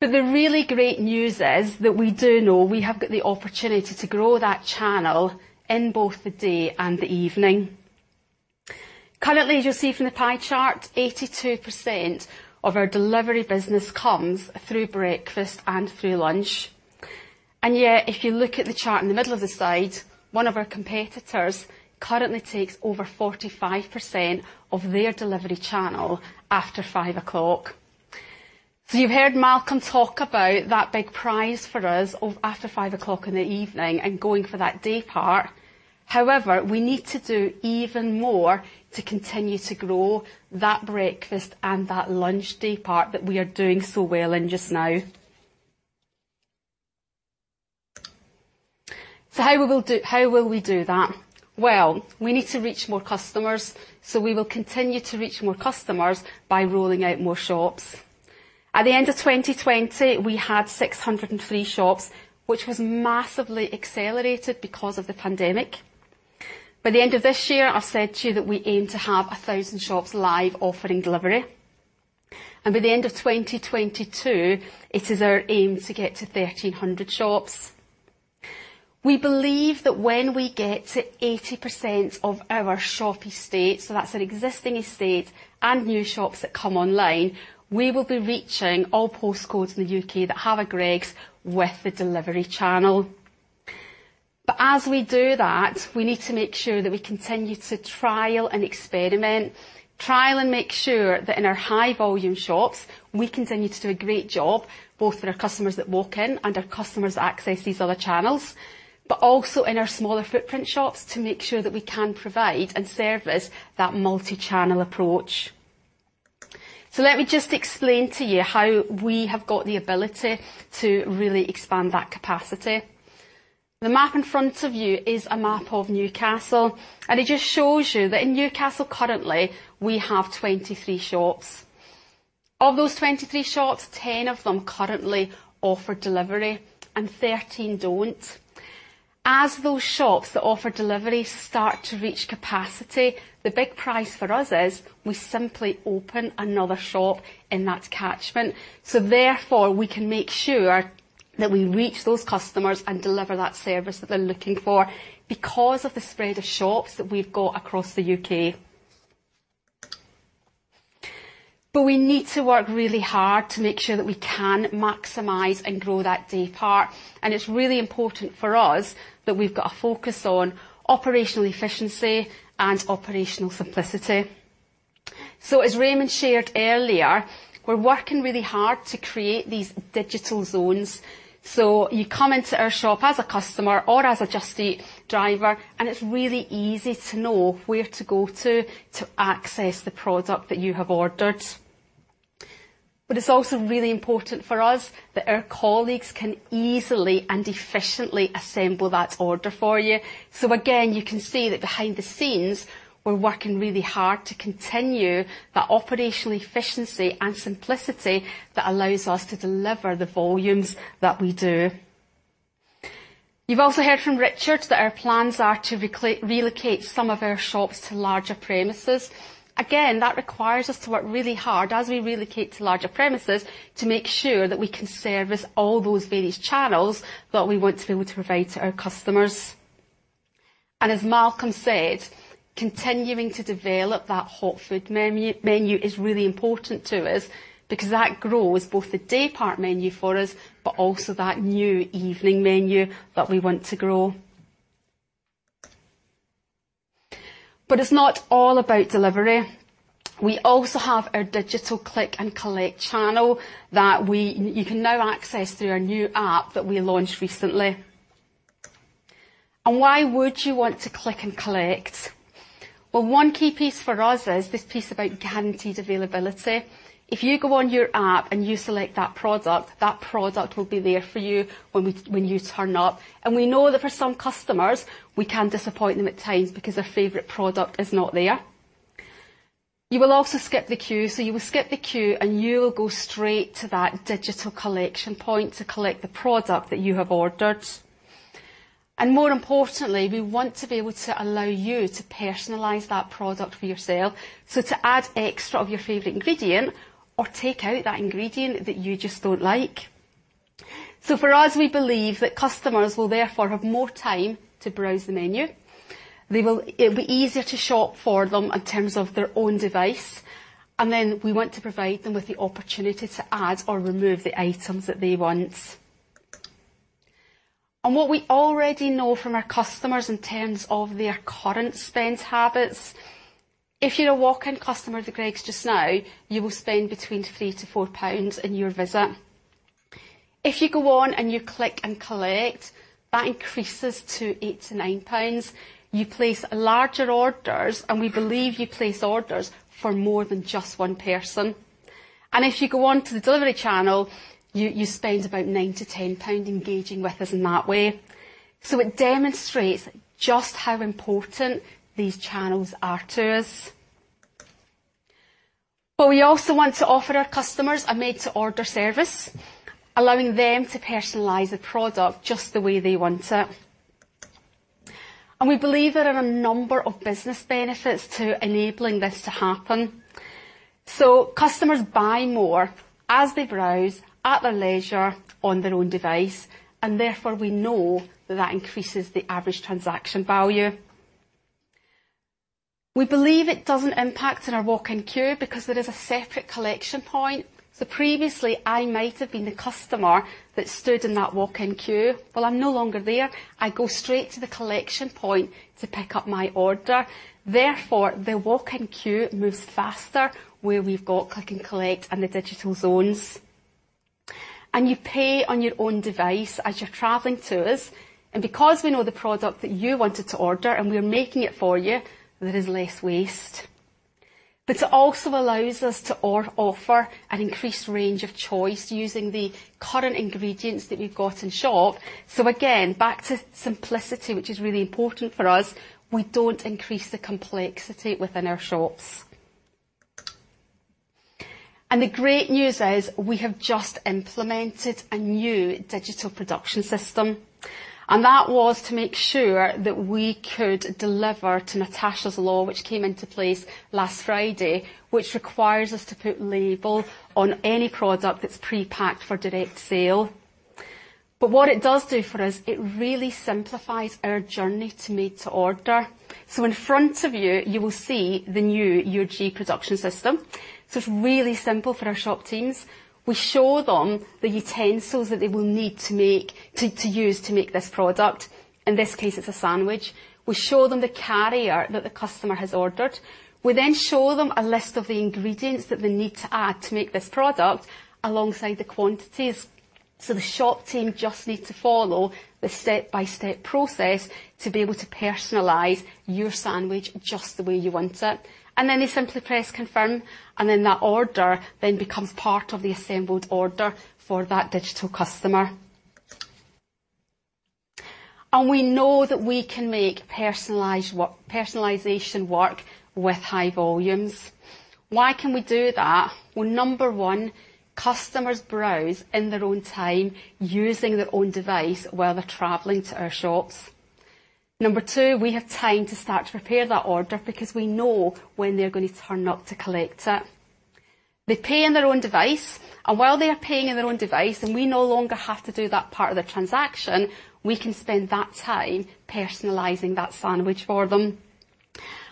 The really great news is that we do know we have got the opportunity to grow that channel in both the day and the evening. Currently, as you'll see from the pie chart, 82% of our delivery business comes through breakfast and through lunch. If you look at the chart in the middle of the slide, one of our competitors currently takes over 45% of their delivery channel after 5:00. You've heard Malcolm talk about that big prize for us of after 5:00 in the evening and going for that day part. However, we need to do even more to continue to grow that breakfast and that lunch day part that we are doing so well in just now. How will we do that? Well, we need to reach more customers, we will continue to reach more customers by rolling out more shops. At the end of 2020, we had 603 shops, which was massively accelerated because of the pandemic. By the end of this year, I've said to you that we aim to have 1,000 shops live offering delivery. By the end of 2022, it is our aim to get to 1,300 shops. We believe that when we get to 80% of our shop estate, so that's our existing estate and new shops that come online, we will be reaching all post codes in the U.K. that have a Greggs with the delivery channel. As we do that, we need to make sure that we continue to trial and experiment. Trial and make sure that in our high volume shops, we continue to do a great job, both with our customers that walk-in and our customers that access these other channels. Also in our smaller footprint shops to make sure that we can provide and service that multi-channel approach. Let me just explain to you how we have got the ability to really expand that capacity. The map in front of you is a map of Newcastle, and it just shows you that in Newcastle currently we have 23 shops. Of those 23 shops, 10 of them currently offer delivery and 13 don't. As those shops that offer delivery start to reach capacity, the big prize for us is we simply open another shop in that catchment. Therefore, we can make sure that we reach those customers and deliver that service that they're looking for because of the spread of shops that we've got across the U.K. We need to work really hard to make sure that we can maximize and grow that day part, and it's really important for us that we've got a focus on operational efficiency and operational simplicity. As Raymond shared earlier, we're working really hard to create these digital zones. You come into our shop as a customer or as a Just Eat driver, and it's really easy to know where to go to to access the product that you have ordered. It's also really important for us that our colleagues can easily and efficiently assemble that order for you. Again, you can see that behind the scenes we're working really hard to continue that operational efficiency and simplicity that allows us to deliver the volumes that we do. You've also heard from Richard that our plans are to relocate some of our shops to larger premises. Again, that requires us to work really hard as we relocate to larger premises to make sure that we can service all those various channels that we want to be able to provide to our customers. As Malcolm said, continuing to develop that hot food menu is really important to us because that grows both the day part menu for us, but also that new evening menu that we want to grow. It's not all about delivery. We also have our digital click and collect channel that you can now access through our new App that we launched recently. Why would you want to click and collect? Well, one key piece for us is this piece about guaranteed availability. If you go on your app and you select that product, that product will be there for you when you turn up. We know that for some customers, we can disappoint them at times because their favorite product is not there. You will also skip the queue. You will skip the queue, and you'll go straight to that digital collection point to collect the product that you have ordered. More importantly, we want to be able to allow you to personalize that product for yourself. To add extra of your favorite ingredient or take out that ingredient that you just don't like. For us, we believe that customers will therefore have more time to browse the menu. It'll be easier to shop for them in terms of their own device, then we want to provide them with the opportunity to add or remove the items that they want. What we already know from our customers in terms of their current spend habits, if you're a walk-in customer to Greggs just now, you will spend between 3-4 pounds in your visit. If you go on and you click and collect, that increases to 8-9 pounds. You place larger orders, and we believe you place orders for more than just one person. If you go onto the delivery channel, you spend about 9-10 pound engaging with us in that way. It demonstrates just how important these channels are to us. We also want to offer our customers a made-to-order service, allowing them to personalize the product just the way they want it. We believe there are a number of business benefits to enabling this to happen. Customers buy more as they browse at their leisure on their own device, and therefore we know that that increases the average transaction value. We believe it doesn't impact on our walk-in queue because there is a separate collection point. Previously I might have been the customer that stood in that walk-in queue. Well, I'm no longer there. I go straight to the collection point to pick up my order. The walk-in queue moves faster where we've got click and collect and the digital zones. You pay on your own device as you're traveling to us. Because we know the product that you wanted to order and we are making it for you, there is less waste. It also allows us to offer an increased range of choice using the current ingredients that we've got in shop. Again, back to simplicity, which is really important for us. We don't increase the complexity within our shops. The great news is we have just implemented a new digital production system, and that was to make sure that we could deliver to Natasha's Law, which came into place last Friday, which requires us to put label on any product that's pre-packed for direct sale. What it does do for us, it really simplifies our journey to made to order. In front of you will see the new Greggs production system. It's really simple for our shop teams. We show them the utensils that they will need to use to make this product. In this case, it's a sandwich. We show them the carrier that the customer has ordered. We then show them a list of the ingredients that they need to add to make this product alongside the quantities. The shop team just need to follow the step-by-step process to be able to personalize your sandwich just the way you want it. They simply press confirm, and then that order then becomes part of the assembled order for that digital customer. We know that we can make personalization work with high volumes. Why can we do that? Well, number one, customers browse in their own time using their own device while they're traveling to our shops. Number two, we have time to start to prepare that order because we know when they're going to turn up to collect it. They pay in their own device, and while they are paying in their own device, and we no longer have to do that part of the transaction, we can spend that time personalizing that sandwich for them.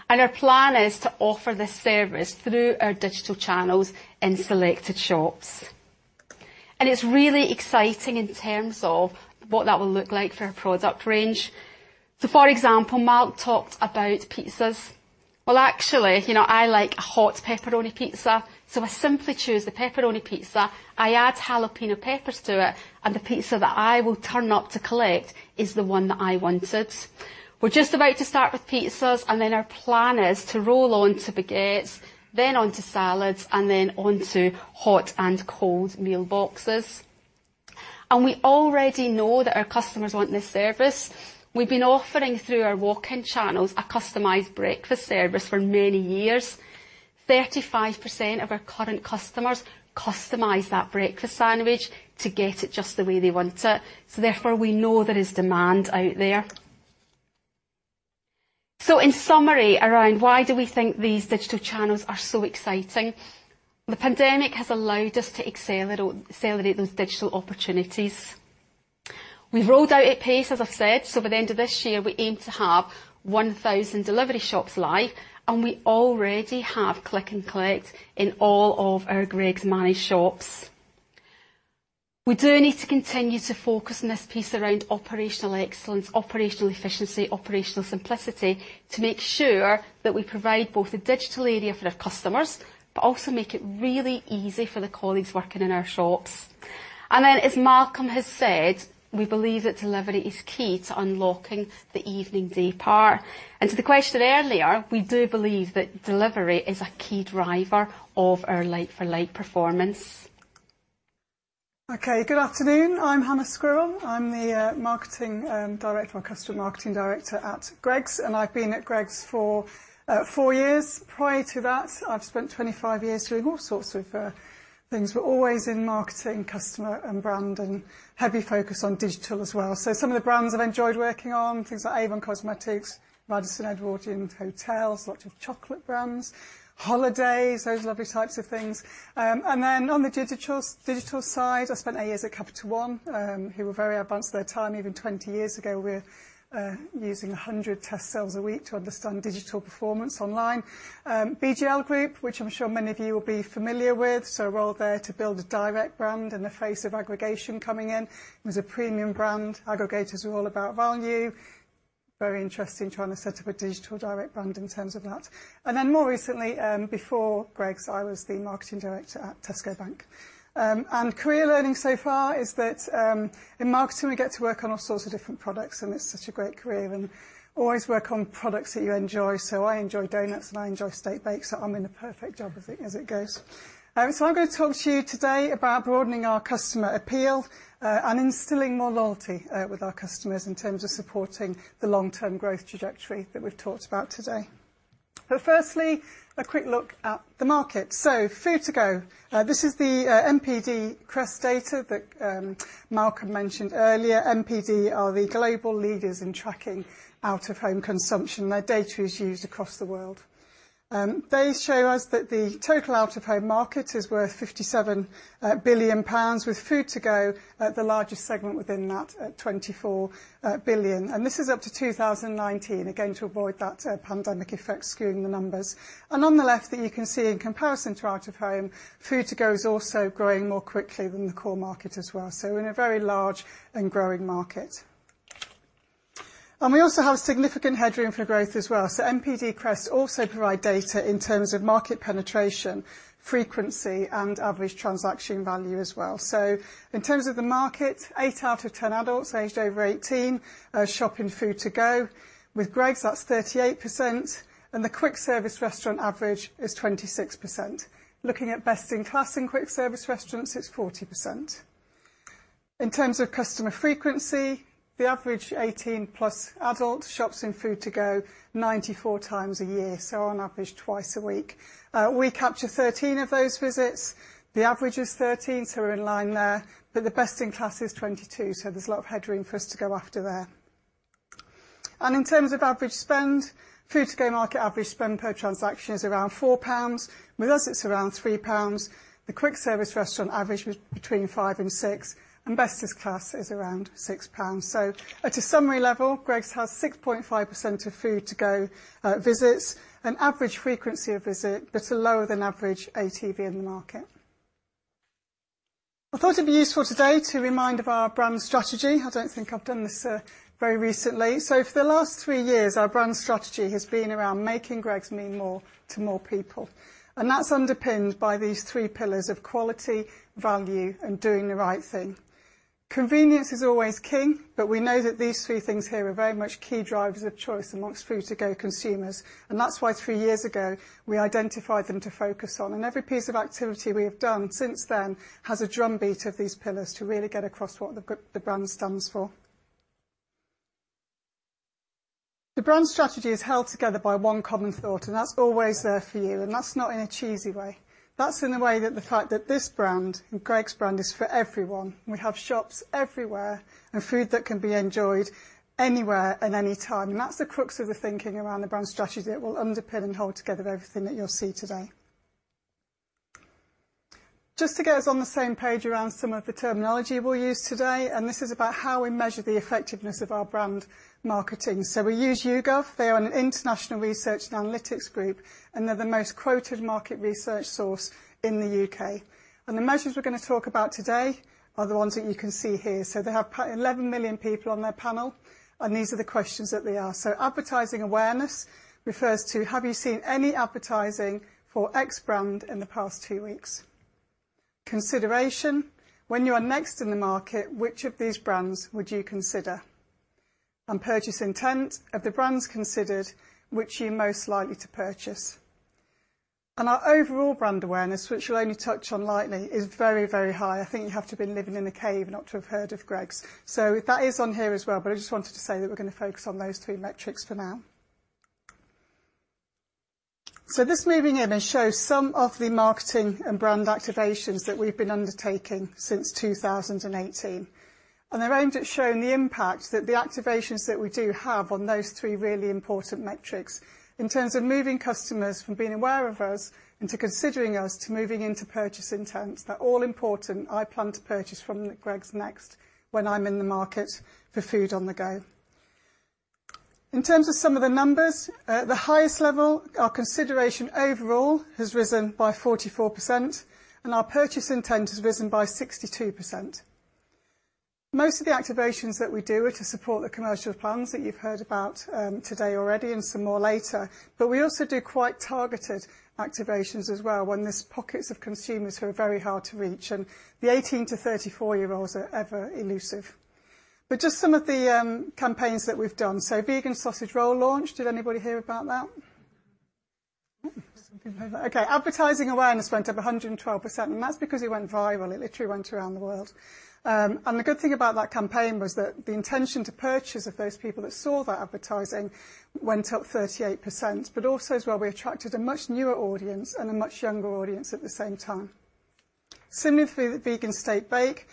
Our plan is to offer this service through our digital channels in selected shops. It's really exciting in terms of what that will look like for our product range. For example, Malc talked about pizzas. Actually, I like a hot pepperoni pizza, so I simply choose the pepperoni pizza. I add jalapeno peppers to it, and the pizza that I will turn up to collect is the one that I wanted. We're just about to start with pizzas, and then our plan is to roll on to baguettes, then on to salads, and then on to hot and cold meal boxes. We already know that our customers want this service. We've been offering, through our walk-in channels, a customized breakfast service for many years. 35% of our current customers customize that breakfast sandwich to get it just the way they want it. Therefore, we know there is demand out there. In summary, around why do we think these digital channels are so exciting, the pandemic has allowed us to accelerate those digital opportunities. We've rolled out at pace, as I've said. By the end of this year, we aim to have 1,000 delivery shops live, and we already have click and collect in all of our Greggs managed shops. We do need to continue to focus on this piece around operational excellence, operational efficiency, operational simplicity to make sure that we provide both a digital area for our customers, but also make it really easy for the colleagues working in our shops. As Malcolm has said, we believe that delivery is key to unlocking the evening day part. To the question earlier, we do believe that delivery is a key driver of our like-for-like performance. Okay. Good afternoon. I'm Hannah Squirrell. I'm the marketing director or customer marketing director at Greggs. I've been at Greggs for years. Prior to that, I've spent 25 years doing all sorts of things, but always in marketing, customer and brand, heavy focus on digital as well. Some of the brands I've enjoyed working on, things like Avon Cosmetics, Radisson Edwardian Hotels, lots of chocolate brands, holidays, those lovely types of things. On the digital side, I spent eight years at Capital One, who were very advanced for their time even 20 years ago with using 100 test cells a week to understand digital performance online. BGL Group, which I'm sure many of you will be familiar with, a role there to build a direct brand in the face of aggregation coming in. It was a premium brand. Aggregators were all about value. Very interesting trying to set up a digital direct brand in terms of that. More recently, before Greggs, I was the marketing director at Tesco Bank. Career learning so far is that, in marketing, we get to work on all sorts of different products, and it's such a great career, and always work on products that you enjoy. I enjoy donuts and I enjoy Steak Bakes, so I'm in the perfect job as it goes. I'm going to talk to you today about broadening our customer appeal, and instilling more loyalty, with our customers in terms of supporting the long-term growth trajectory that we've talked about today. Firstly, a quick look at the market. Food-on-the-go. This is the NPD CREST data that Malcolm mentioned earlier. NPD are the global leaders in tracking out-of-home consumption. Their data is used across the world. They show us that the total out-of-home market is worth 57 billion pounds with food-on-the-go, the largest segment within that at 24 billion. This is up to 2019, again, to avoid that pandemic effect skewing the numbers. On the left there you can see in comparison to out-of-home, food-on-the-go is also growing more quickly than the core market as well. We're in a very large and growing market. We also have significant headroom for growth as well. NPD CREST also provide data in terms of market penetration, frequency, and average transaction value as well. In terms of the market, 8 out of 10 adults aged over 18 are shopping food-on-the-go. With Greggs that's 38%. The quick service restaurant average is 26%. Looking at best in class in quick service restaurants, it's 40%. In terms of customer frequency, the average 18 plus adult shops in food-on-the-go 94 times a year, so on average twice a week. We capture 13 of those visits. The average is 13, so we're in line there, but the best in class is 22, so there's a lot of headroom for us to go after there. In terms of average spend, food-on-the-go market average spend per transaction is around 4 pounds. With us, it's around 3 pounds. The quick service restaurant average was between 5 and 6, and best in class is around 6 pounds. At a summary level, Greggs has 6.5% of food-on-the-go visits, an average frequency of visit that are lower than average ATV in the market. I thought it'd be useful today to remind of our brand strategy. I don't think I've done this very recently. For the last three years, our brand strategy has been around making Greggs mean more to more people, and that's underpinned by these three pillars of quality, value, and doing the right thing. Convenience is always king, but we know that these three things here are very much key drivers of choice amongst food to go consumers, and that's why three years ago we identified them to focus on. Every piece of activity we have done since then has a drumbeat of these pillars to really get across what the brand stands for. The brand strategy is held together by one common thought, and that's always there for you, and that's not in a cheesy way. That's in a way that the fact that this brand, the Greggs brand, is for everyone. We have shops everywhere and food that can be enjoyed anywhere at any time. That's the crux of the thinking around the brand strategy that will underpin and hold together everything that you'll see today. Just to get us on the same page around some of the terminology we'll use today. This is about how we measure the effectiveness of our brand marketing. We use YouGov. They are an international research and analytics group. They're the most quoted market research source in the U.K. The measures we're going to talk about today are the ones that you can see here. They have 11 million people on their panel. These are the questions that they ask. Advertising awareness refers to have you seen any advertising for X brand in the past two weeks? Consideration, when you are next in the market, which of these brands would you consider? Purchase intent, of the brands considered, which are you most likely to purchase? Our overall brand awareness, which we'll only touch on lightly, is very high. I think you have to be living in a cave not to have heard of Greggs. That is on here as well, but I just wanted to say that we're going to focus on those two metrics for now. This moving image shows some of the marketing and brand activations that we've been undertaking since 2018, and they're aimed at showing the impact that the activations that we do have on those three really important metrics in terms of moving customers from being aware of us and to considering us to moving into purchase intent, that all important, I plan to purchase from Greggs next when I'm in the market for food-on-the-go. In terms of some of the numbers, at the highest level, our consideration overall has risen by 44%, and our purchase intent has risen by 62%. Most of the activations that we do are to support the commercial plans that you've heard about today already and some more later. We also do quite targeted activations as well when there's pockets of consumers who are very hard to reach, and the 18-34 year olds are ever elusive. Just some of the campaigns that we've done. Vegan Sausage Roll launch. Did anybody hear about that? Some people. Okay. Advertising awareness went up 112%, that's because it went viral. It literally went around the world. The good thing about that campaign was that the intention to purchase of those people that saw that advertising went up 38%, but also as well, we attracted a much newer audience and a much younger audience at the same time. Similarly, the Vegan Steak Bake,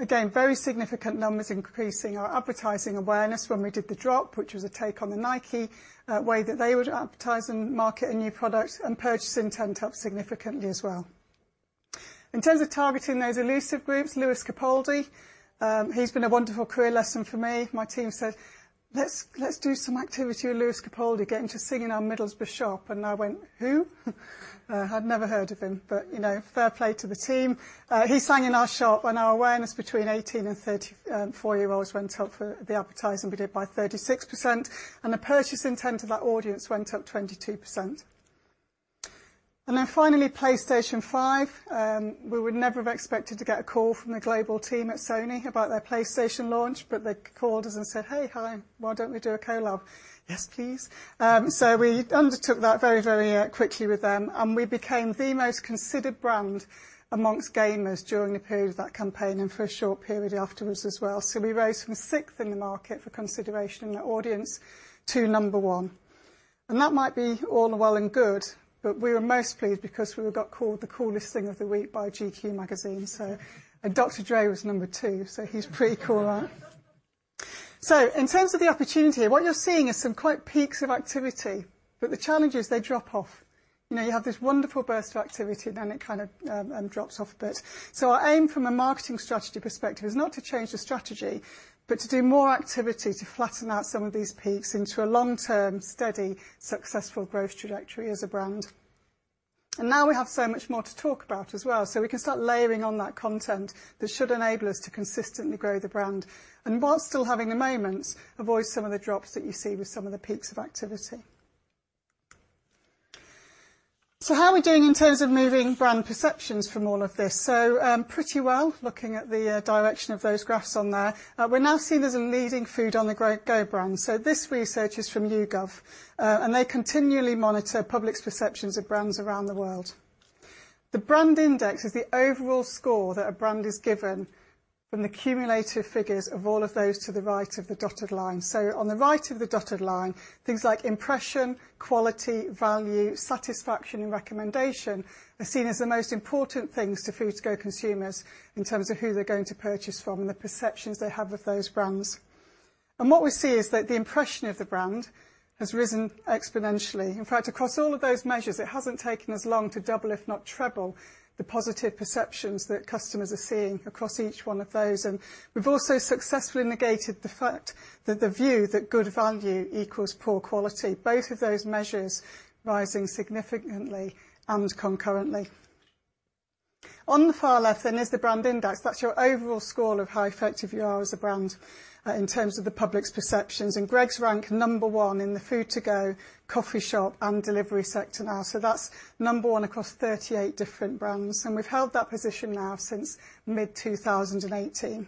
again, very significant numbers increasing our advertising awareness when we did the drop, which was a take on the Nike way that they would advertise and market a new product, and purchase intent up significantly as well. In terms of targeting those elusive groups, Lewis Capaldi, he's been a wonderful career lesson for me. My team said, "Let's do some activity with Lewis Capaldi. Get him to sing in our Middlesbrough shop." I went, "Who?" I'd never heard of him. Fair play to the team. He sang in our shop, and our awareness between 18 and 34-year-olds went up for the advertising we did by 36%, and the purchase intent of that audience went up 22%. Finally, PlayStation 5. We would never have expected to get a call from the global team at Sony about their PlayStation launch, but they called us and said, "Hey, hi. Why don't we do a co-launch?" Yes, please. We undertook that very quickly with them, and we became the most considered brand amongst gamers during the period of that campaign and for a short period afterwards as well. We rose from sixth in the market for consideration in the audience to number one. That might be all well and good, but we were most pleased because we got called the coolest thing of the week by GQ Magazine. And Dr. Dre was number two, so he's pretty cool. In terms of the opportunity, what you're seeing is some quite peaks of activity, but the challenge is they drop off. You have this wonderful burst of activity, then it kind of drops off a bit. Our aim from a marketing strategy perspective is not to change the strategy, but to do more activity to flatten out some of these peaks into a long-term, steady, successful growth trajectory as a brand. Now we have so much more to talk about as well. We can start layering on that content that should enable us to consistently grow the brand. While still having the moments, avoid some of the drops that you see with some of the peaks of activity. How are we doing in terms of moving brand perceptions from all of this? Pretty well, looking at the direction of those graphs on there. We're now seen as a leading food-on-the-go brand. This research is from YouGov, and they continually monitor public's perceptions of brands around the world. The BrandIndex is the overall score that a brand is given from the cumulative figures of all of those to the right of the dotted line. On the right of the dotted line, things like impression, quality, value, satisfaction and recommendation are seen as the most important things to food-on-the-go consumers in terms of who they're going to purchase from and the perceptions they have of those brands. What we see is that the impression of the brand has risen exponentially. In fact, across all of those measures, it hasn't taken us long to double, if not treble, the positive perceptions that customers are seeing across each one of those. We've also successfully negated the fact that the view that good value equals poor quality, both of those measures rising significantly and concurrently. On the far left then is the BrandIndex. That's your overall score of how effective you are as a brand in terms of the public's perceptions. Greggs rank number one in the food-on-the-go, coffee shop and delivery sector now. That's number one across 38 different brands. We've held that position now since mid-2018.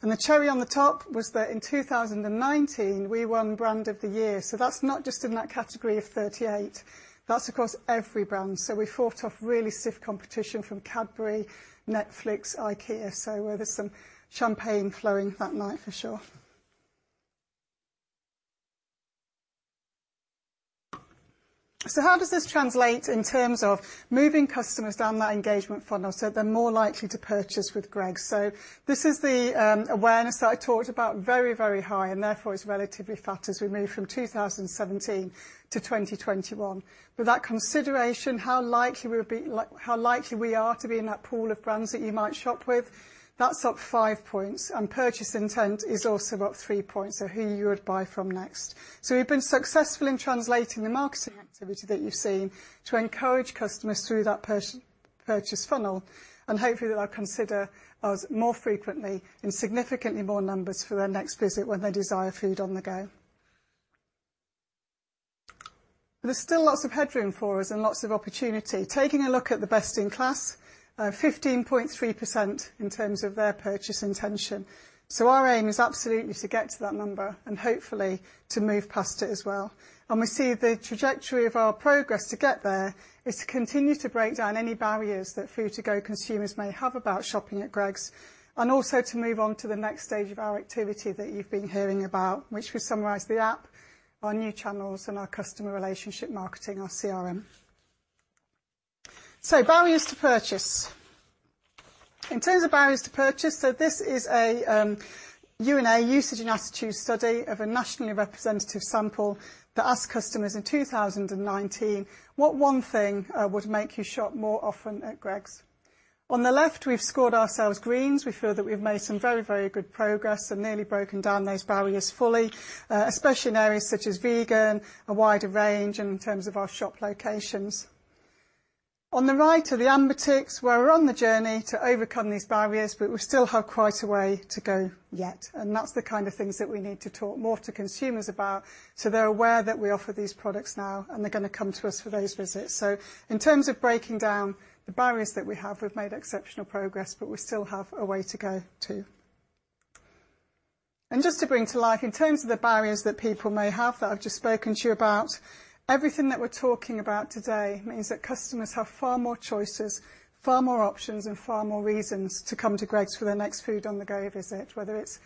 The cherry on the top was that in 2019, we won Brand of the Year. That's not just in that category of 38, that's across every brand. We fought off really stiff competition from Cadbury, Netflix, IKEA. There was some champagne flowing that night for sure. How does this translate in terms of moving customers down that engagement funnel so they're more likely to purchase with Greggs? This is the awareness that I talked about, very high, and therefore it's relatively flat as we move from 2017-2021. With that consideration, how likely we are to be in that pool of brands that you might shop with, that's up five points, and purchase intent is also up three points, so who you would buy from next. We've been successful in translating the marketing activity that you've seen to encourage customers through that purchase funnel, and hopefully they'll consider us more frequently in significantly more numbers for their next visit when they desire food-on-the-go. There's still lots of headroom for us and lots of opportunity. Taking a look at the best in class, 15.3% in terms of their purchase intention. Our aim is absolutely to get to that number and hopefully to move past it as well. We see the trajectory of our progress to get there is to continue to break down any barriers that food-on-the-go consumers may have about shopping at Greggs, and also to move on to the next stage of our activity that you've been hearing about, which we summarize the Greggs App, our new channels, and our customer relationship marketing, our CRM. Barriers to purchase. In terms of barriers to purchase, this is a U&A, usage and attitude study of a nationally representative sample that asked customers in 2019, what one thing would make you shop more often at Greggs? On the left, we've scored ourselves greens. We feel that we've made some very good progress and nearly broken down those barriers fully, especially in areas such as vegan, a wider range in terms of our shop locations. On the right are the amber ticks, where we're on the journey to overcome these barriers, but we still have quite a way to go yet, and that's the kind of things that we need to talk more to consumers about so they're aware that we offer these products now and they're going to come to us for those visits. In terms of breaking down the barriers that we have, we've made exceptional progress, but we still have a way to go too. Just to bring to life, in terms of the barriers that people may have that I've just spoken to you about, everything that we're talking about today means that customers have far more choices, far more options, and far more reasons to come to Greggs for their next food-on-the-go visit, whether it's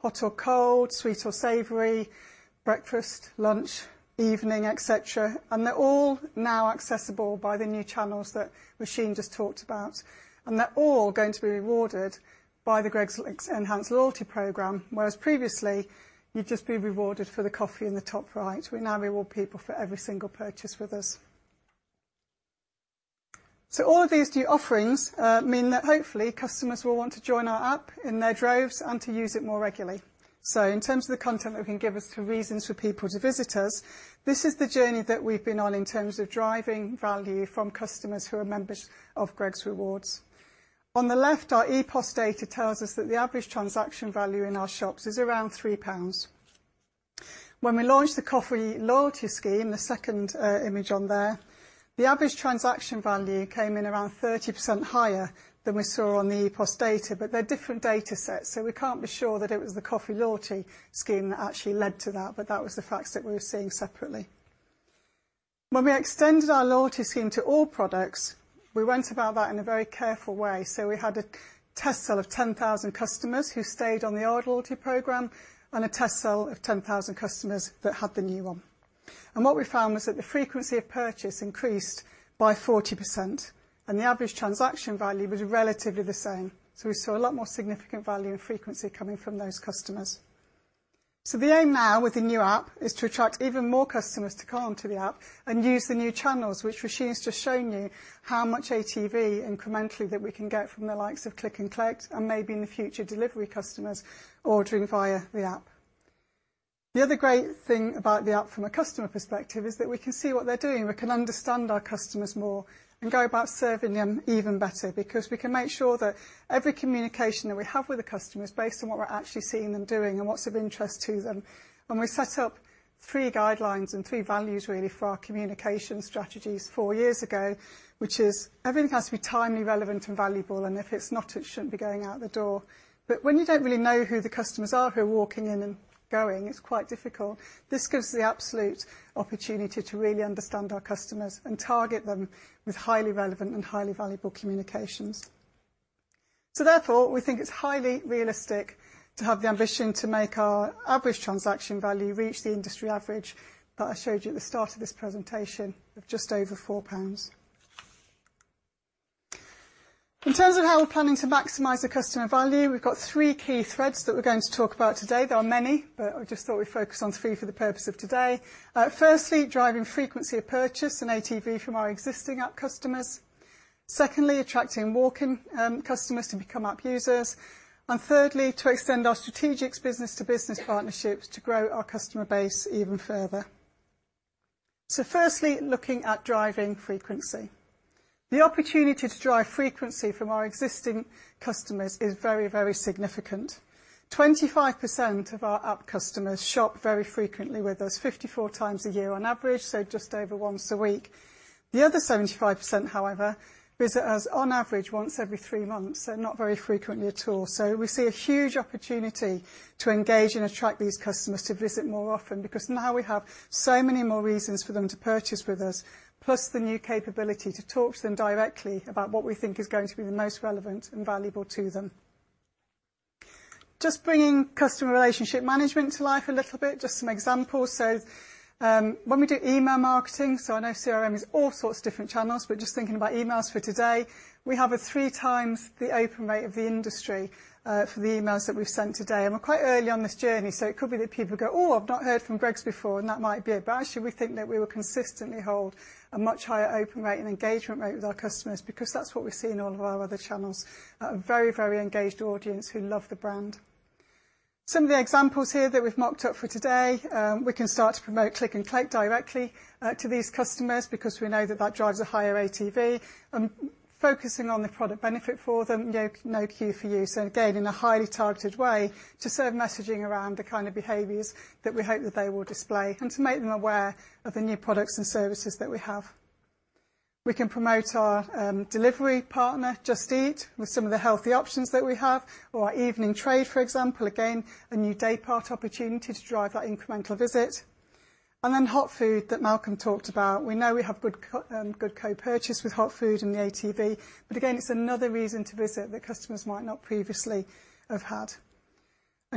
hot or cold, sweet or savory, breakfast, lunch, evening, et cetera. They're all now accessible by the new channels that Roisin just talked about, and they're all going to be rewarded by the Greggs enhanced loyalty program. Whereas previously, you'd just be rewarded for the coffee in the top right. We now reward people for every single purchase with us. All of these new offerings mean that hopefully customers will want to join our app in their droves and to use it more regularly. In terms of the content that we can give as to reasons for people to visit us, this is the journey that we've been on in terms of driving value from customers who are members of Greggs Rewards. On the left, our EPOS data tells us that the average transaction value in our shops is around 3 pounds. When we launched the coffee loyalty scheme, the second image on there, the average transaction value came in around 30% higher than we saw on the EPOS data, but they're different data sets, so we can't be sure that it was the coffee loyalty scheme that actually led to that, but that was the facts that we were seeing separately. When we extended our loyalty scheme to all products, we went about that in a very careful way. We had a test cell of 10,000 customers who stayed on the old loyalty program and a test cell of 10,000 customers that had the new one. What we found was that the frequency of purchase increased by 40%, and the average transaction value was relatively the same. We saw a lot more significant value and frequency coming from those customers. The aim now with the new app is to attract even more customers to come to the app and use the new channels, which Roisin's just shown you how much ATV incrementally that we can get from the likes of click and collect and maybe in the future delivery customers ordering via the app. The other great thing about the app from a customer perspective is that we can see what they're doing. We can understand our customers more and go about serving them even better because we can make sure that every communication that we have with the customer is based on what we're actually seeing them doing and what's of interest to them. We set up three guidelines and three values really for our communication strategies four years ago, which is everything has to be timely, relevant, and valuable, and if it's not, it shouldn't be going out the door. When you don't really know who the customers are who are walking in and going, it's quite difficult. This gives the absolute opportunity to really understand our customers and target them with highly relevant and highly valuable communications. Therefore, we think it's highly realistic to have the ambition to make our average transaction value reach the industry average that I showed you at the start of this presentation, of just over 4 pounds. In terms of how we're planning to maximize the customer value, we've got three key threads that we're going to talk about today. There are many, but I just thought we'd focus on three for the purpose of today. Firstly, driving frequency of purchase and ATV from our existing app customers. Secondly, attracting walk-in customers to become app users. Thirdly, to extend our strategic business-to-business partnerships to grow our customer base even further. Firstly, looking at driving frequency. The opportunity to drive frequency from our existing customers is very significant. 25% of our app customers shop very frequently with us, 54 times a year on average, just over once a week. The other 75%, however, visit us on average once every three months, not very frequently at all. We see a huge opportunity to engage and attract these customers to visit more often, because now we have so many more reasons for them to purchase with us, plus the new capability to talk to them directly about what we think is going to be the most relevant and valuable to them. Just bringing customer relationship management to life a little bit, just some examples. When we do email marketing, I know CRM is all sorts of different channels, just thinking about emails for today, we have a three times the open rate of the industry for the emails that we've sent today. We're quite early on this journey, so it could be that people go, "Oh, I've not heard from Greggs before," and that might be it. Actually, we think that we will consistently hold a much higher open rate and engagement rate with our customers, because that's what we see in all of our other channels. A very, very engaged audience who love the brand. Some of the examples here that we've mocked up for today, we can start to promote click and collect directly to these customers because we know that that drives a higher ATV. Focusing on the product benefit for them, no queue for you. Again, in a highly targeted way to serve messaging around the kind of behaviors that we hope that they will display, and to make them aware of the new products and services that we have. We can promote our delivery partner, Just Eat, with some of the healthy options that we have, or our evening trade, for example. A new day part opportunity to drive that incremental visit. Hot food that Malcolm talked about. We know we have good co-purchase with hot food and the ATV, again, it's another reason to visit that customers might not previously have had.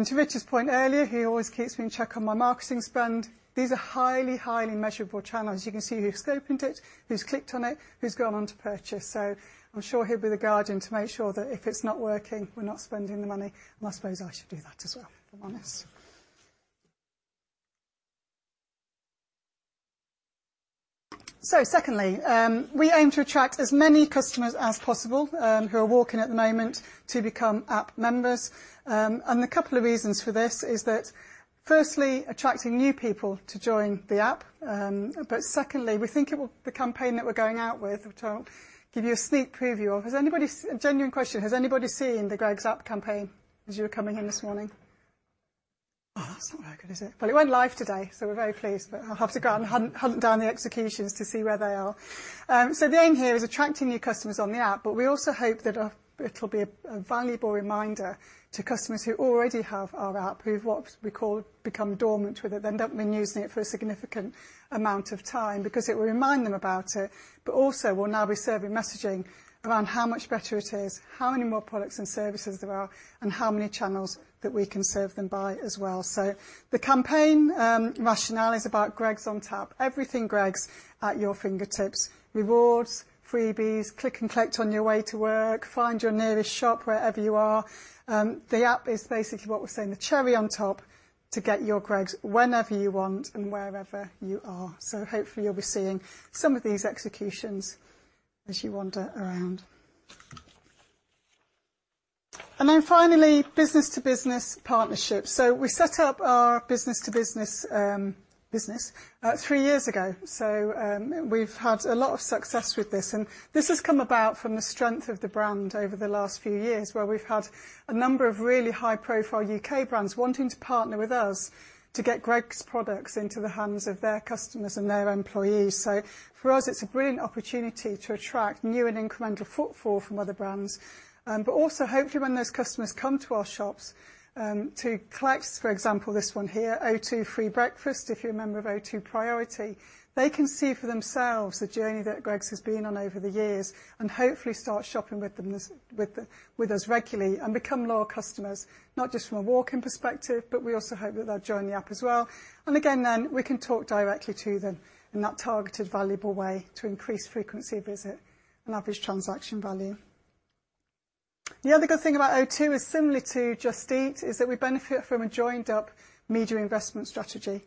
To Richard's point earlier, he always keeps me in check on my marketing spend. These are highly measurable channels. You can see who's opened it, who's clicked on it, who's gone on to purchase. I'm sure he'll be the guardian to make sure that if it's not working, we're not spending the money. I suppose I should do that as well, if I'm honest. Secondly, we aim to attract as many customers as possible who are walking at the moment to become App members. A couple of reasons for this is that firstly, attracting new people to join the App. Secondly, we think the campaign that we're going out with, which I'll give you a sneak preview of. A genuine question, has anybody seen the Greggs App campaign as you were coming in this morning? That's not very good, is it? It went live today, so we're very pleased. I'll have to go out and hunt down the executions to see where they are. The aim here is attracting new customers on the app, but we also hope that it'll be a valuable reminder to customers who already have our app, who have what we call become dormant with it, they've not been using it for a significant amount of time, because it will remind them about it. Also, we'll now be serving messaging around how much better it is, how many more products and services there are, and how many channels that we can serve them by as well. The campaign rationale is about Greggs on tap. Everything Greggs at your fingertips. Rewards, freebies, click and collect on your way to work, find your nearest shop wherever you are. The app is basically what we're saying, the cherry on top to get your Greggs whenever you want and wherever you are. Hopefully you'll be seeing some of these executions as you wander around. Finally, business-to-business partnerships. We set up our business-to-business business three years ago. We've had a lot of success with this. This has come about from the strength of the brand over the last few years, where we've had a number of really high-profile U.K. brands wanting to partner with us to get Greggs products into the hands of their customers and their employees. For us, it's a brilliant opportunity to attract new and incremental footfall from other brands. Also, hopefully, when those customers come to our shops, to collect, for example, this one here, O2 free breakfast, if you're a member of O2 Priority, they can see for themselves the journey that Greggs has been on over the years, and hopefully start shopping with us regularly and become loyal customers, not just from a walk-in perspective, but we also hope that they'll join the app as well. Again, then we can talk directly to them in that targeted, valuable way to increase frequency of visit and average transaction value. The other good thing about O2 is similar to Just Eat, is that we benefit from a joined-up media investment strategy.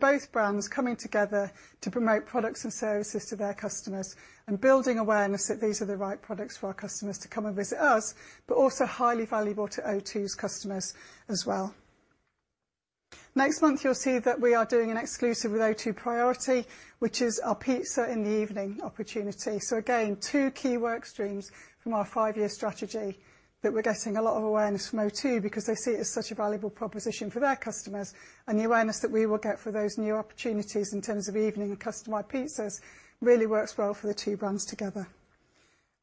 Both brands coming together to promote products and services to their customers and building awareness that these are the right products for our customers to come and visit us, but also highly valuable to O2's customers as well. Next month, you'll see that we are doing an exclusive with O2 Priority, which is our pizza in the evening opportunity. Again, two key work streams from our five-year strategy that we're getting a lot of awareness from O2 because they see it as such a valuable proposition for their customers. The awareness that we will get for those new opportunities in terms of evening and customized pizzas really works well for the two brands together.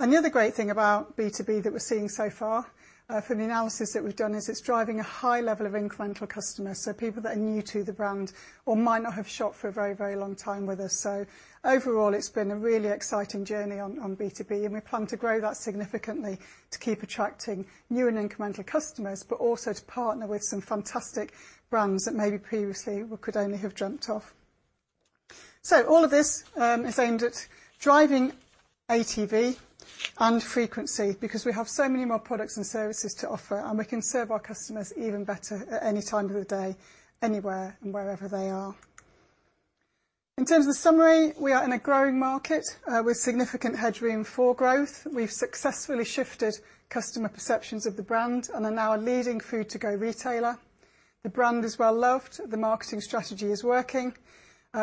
Another great thing about B2B that we're seeing so far from the analysis that we've done is it's driving a high level of incremental customers, so people that are new to the brand or might not have shopped for a very long time with us. Overall, it's been a really exciting journey on B2B, and we plan to grow that significantly to keep attracting new and incremental customers, but also to partner with some fantastic brands that maybe previously we could only have dreamt of. All of this is aimed at driving ATV and frequency because we have so many more products and services to offer, and we can serve our customers even better at any time of the day, anywhere and wherever they are. In terms of summary, we are in a growing market with significant headroom for growth. We've successfully shifted customer perceptions of the brand and are now a leading food to go retailer. The brand is well-loved. The marketing strategy is working.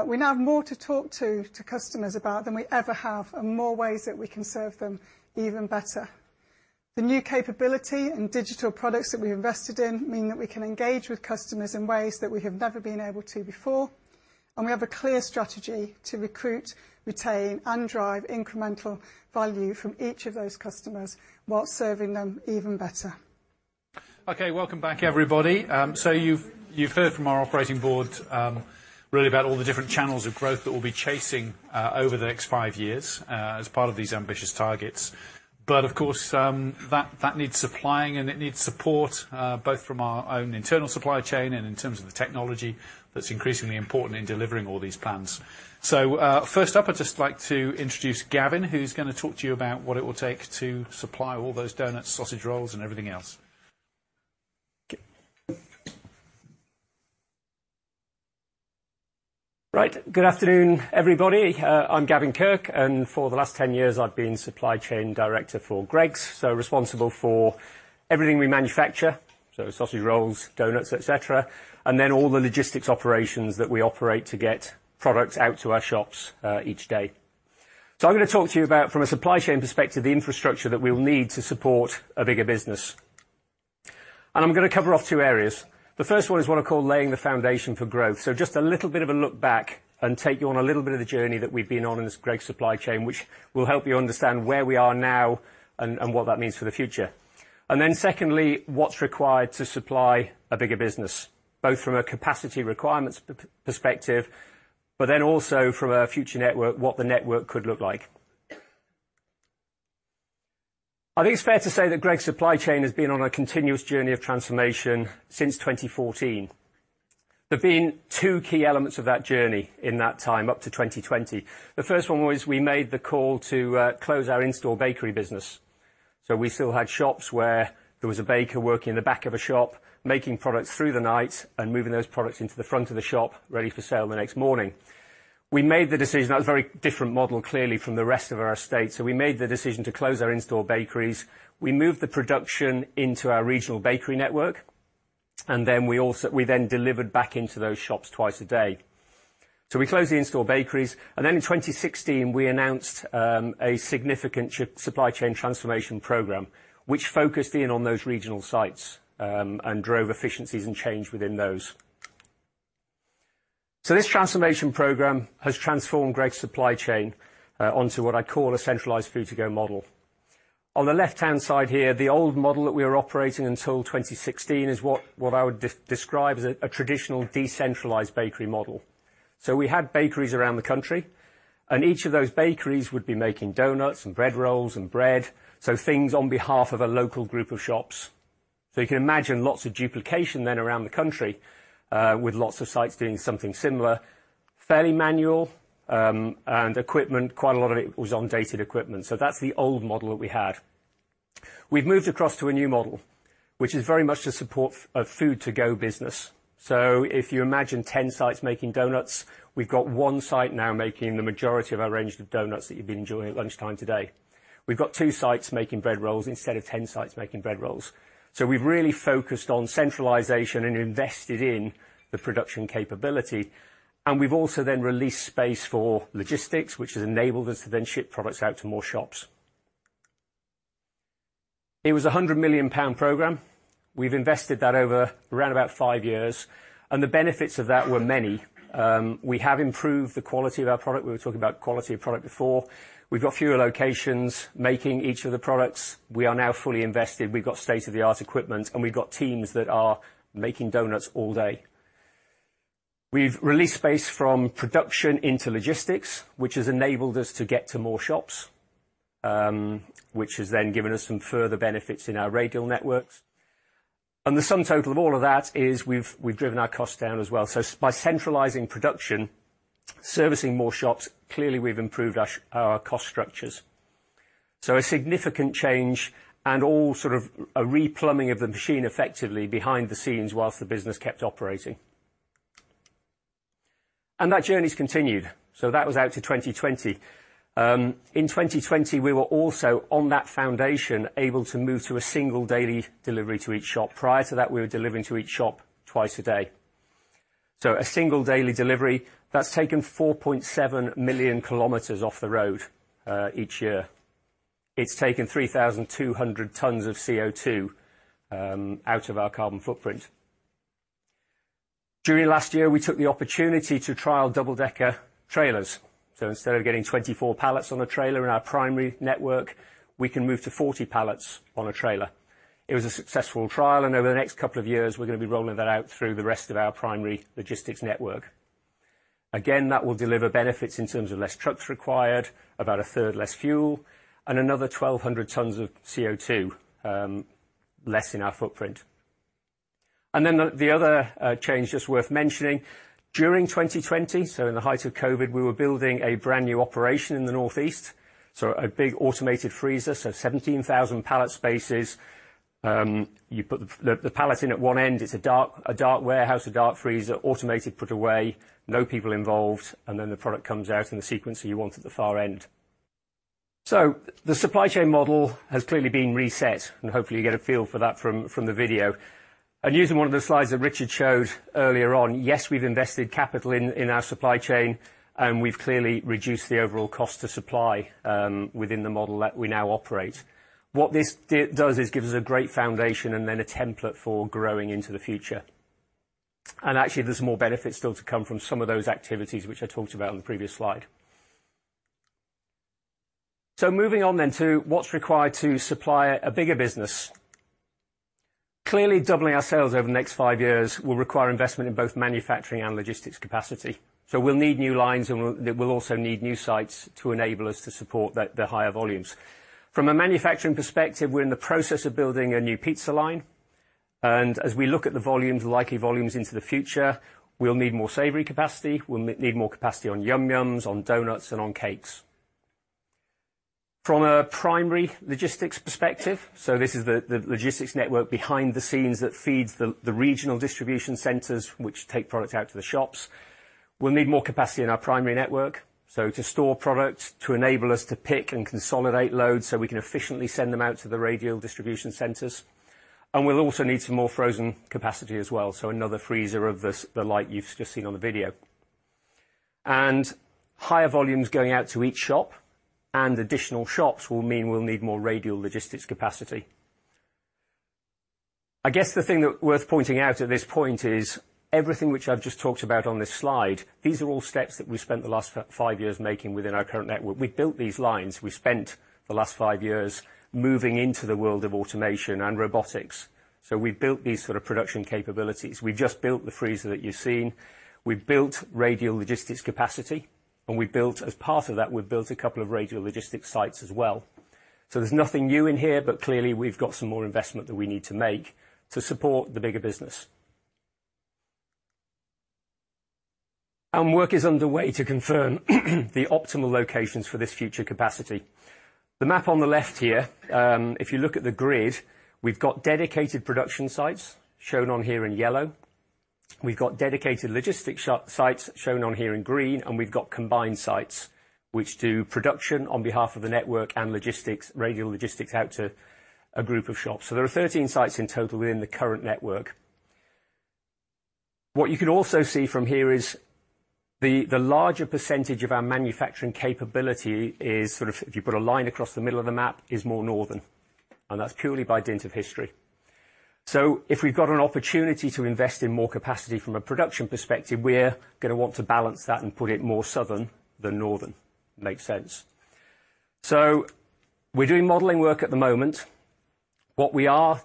We now have more to talk to customers about than we ever have, and more ways that we can serve them even better. The new capability and digital products that we invested in mean that we can engage with customers in ways that we have never been able to before. We have a clear strategy to recruit, retain, and drive incremental value from each of those customers while serving them even better. Okay. Welcome back, everybody. You've heard from our operating board really about all the different channels of growth that we'll be chasing over the next five years as part of these ambitious targets. Of course, that needs supplying and it needs support, both from our own internal supply chain and in terms of the technology that's increasingly important in delivering all these plans. First up, I'd just like to introduce Gavin, who's going to talk to you about what it will take to supply all those donuts, Sausage Roll, and everything else. Right. Good afternoon, everybody. I'm Gavin Kirk, and for the last 10 years I've been Supply Chain Director for Greggs, so responsible for everything we manufacture, so Sausage Roll, donuts, et cetera, and then all the logistics operations that we operate to get products out to our shops each day. I'm going to talk to you about, from a supply chain perspective, the infrastructure that we will need to support a bigger business. I'm going to cover off two areas. The first one is what I call laying the foundation for growth. Just a little bit of a look back and take you on a little bit of the journey that we've been on in this Greggs supply chain, which will help you understand where we are now and what that means for the future. Secondly, what's required to supply a bigger business, both from a capacity requirements perspective, but then also from a future network, what the network could look like. I think it's fair to say that Greggs' supply chain has been on a continuous journey of transformation since 2014. There have been two key elements of that journey in that time up to 2020. The first one was we made the call to close our in-store bakery business. We still had shops where there was a baker working in the back of a shop making products through the night and moving those products into the front of the shop ready for sale the next morning. We made the decision. That was a very different model, clearly, from the rest of our estate. We made the decision to close our in-store bakeries. We moved the production into our regional bakery network, and we then delivered back into those shops twice a day. We closed the in-store bakeries, and then in 2016, we announced a significant supply chain transformation program which focused in on those regional sites, and drove efficiencies and change within those. This transformation program has transformed Greggs' supply chain onto what I call a centralized food to go model. On the left-hand side here, the old model that we were operating until 2016 is what I would describe as a traditional decentralized bakery model. We had bakeries around the country, and each of those bakeries would be making donuts and bread rolls and bread, so things on behalf of a local group of shops. You can imagine lots of duplication then around the country, with lots of sites doing something similar. Fairly manual, equipment, quite a lot of it was outdated equipment. That's the old model that we had. We've moved across to a new model, which is very much to support a food-on-the-go business. If you imagine 10 sites making donuts, we've got one site now making the majority of our range of donuts that you've been enjoying at lunchtime today. We've got two sites making bread rolls instead of 10 sites making bread rolls. We've really focused on centralization and invested in the production capability, and we've also then released space for logistics, which has enabled us to then ship products out to more shops. It was a 100 million pound program. We've invested that over around about five years, and the benefits of that were many. We have improved the quality of our product. We were talking about quality of product before. We've got fewer locations making each of the products. We are now fully invested. We've got state-of-the-art equipment, and we've got teams that are making donuts all day. We've released space from production into logistics, which has enabled us to get to more shops, which has then given us some further benefits in our radial networks. The sum total of all of that is we've driven our costs down as well. By centralizing production, servicing more shops, clearly we've improved our cost structures. A significant change and all sort of a replumbing of the machine effectively behind the scenes whilst the business kept operating. That journey's continued. That was out to 2020. In 2020, we were also, on that foundation, able to move to a single daily delivery to each shop. Prior to that, we were delivering to each shop twice a day. A single daily delivery, that's taken 4.7 million kilometers off the road each year. It's taken 3,200 tons of CO2 out of our carbon footprint. During last year, we took the opportunity to trial double-decker trailers. Instead of getting 24 pallets on a trailer in our primary network, we can move to 40 pallets on a trailer. It was a successful trial, and over the next couple of years, we're going to be rolling that out through the rest of our primary logistics network. Again, that will deliver benefits in terms of less trucks required, about a third less fuel, and another 1,200 tons of CO2 less in our footprint. The other change that's worth mentioning, during 2020, so in the height of COVID, we were building a brand new operation in the Northeast, so a big automated freezer. 17,000 pallet spaces. You put the pallet in at one end. It's a dark warehouse, a dark freezer, automated put away, no people involved, and then the product comes out in the sequence that you want at the far end. The supply chain model has clearly been reset, and hopefully you get a feel for that from the video. Using one of the slides that Richard showed earlier on, yes, we've invested capital in our supply chain, and we've clearly reduced the overall cost to supply within the model that we now operate. What this does is gives us a great foundation and then a template for growing into the future. Actually, there's more benefit still to come from some of those activities, which I talked about on the previous slide. Moving on to what's required to supply a bigger business. Clearly, doubling our sales over the next five years will require investment in both manufacturing and logistics capacity. We'll need new lines, and we'll also need new sites to enable us to support the higher volumes. From a manufacturing perspective, we're in the process of building a new pizza line. As we look at the volumes, likely volumes into the future, we'll need more savory capacity. We'll need more capacity on Yum Yums, on doughnuts, and on cakes. From a primary logistics perspective, so this is the logistics network behind the scenes that feeds the regional distribution centers which take products out to the shops. We'll need more capacity in our primary network, so to store product, to enable us to pick and consolidate loads so we can efficiently send them out to the radial distribution centers. We'll also need some more frozen capacity as well, so another freezer of the like you've just seen on the video. Higher volumes going out to each shop and additional shops will mean we'll need more radial logistics capacity. I guess the thing worth pointing out at this point is everything which I've just talked about on this slide, these are all steps that we've spent the last five years making within our current network. We built these lines. We spent the last five years moving into the world of automation and robotics. We've built these sort of production capabilities. We've just built the freezer that you've seen. We've built radial logistics capacity, and we've built, as part of that, we've built a couple of radial logistics sites as well. There's nothing new in here, but clearly we've got some more investment that we need to make to support the bigger business. Work is underway to confirm the optimal locations for this future capacity. The map on the left here, if you look at the grid, we've got dedicated production sites shown on here in yellow. We've got dedicated logistics sites shown on here in green, and we've got combined sites which do production on behalf of the network and logistics, radial logistics out to a group of shops. There are 13 sites in total within the current network. What you can also see from here is the larger percentage of our manufacturing capability is sort of, if you put a line across the middle of the map, is more northern, and that's purely by dint of history. If we've got an opportunity to invest in more capacity from a production perspective, we're going to want to balance that and put it more southern than northern. Makes sense. We're doing modeling work at the moment. What we are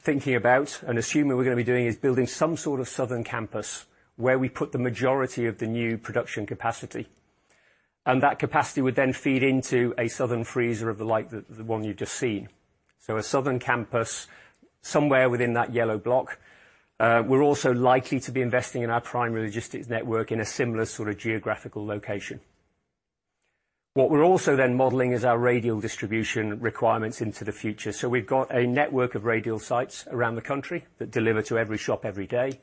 thinking about and assuming we're going to be doing is building some sort of southern campus where we put the majority of the new production capacity, and that capacity would then feed into a southern freezer of the like, the one you've just seen. A southern campus somewhere within that yellow block. We're also likely to be investing in our primary logistics network in a similar sort of geographical location. What we're also then modeling is our radial distribution requirements into the future. We've got a network of radial sites around the country that deliver to every shop every day.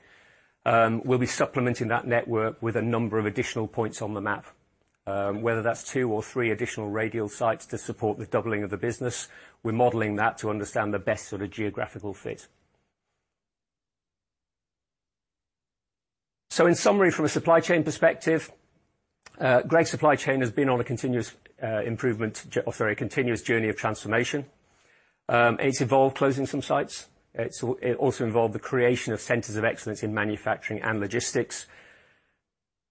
We'll be supplementing that network with a number of additional points on the map, whether that's two or three additional radial sites to support the doubling of the business. We're modeling that to understand the best sort of geographical fit. In summary, from a supply chain perspective, Greggs supply chain has been on a continuous journey of transformation. It's involved closing some sites. It also involved the creation of centers of excellence in manufacturing and logistics.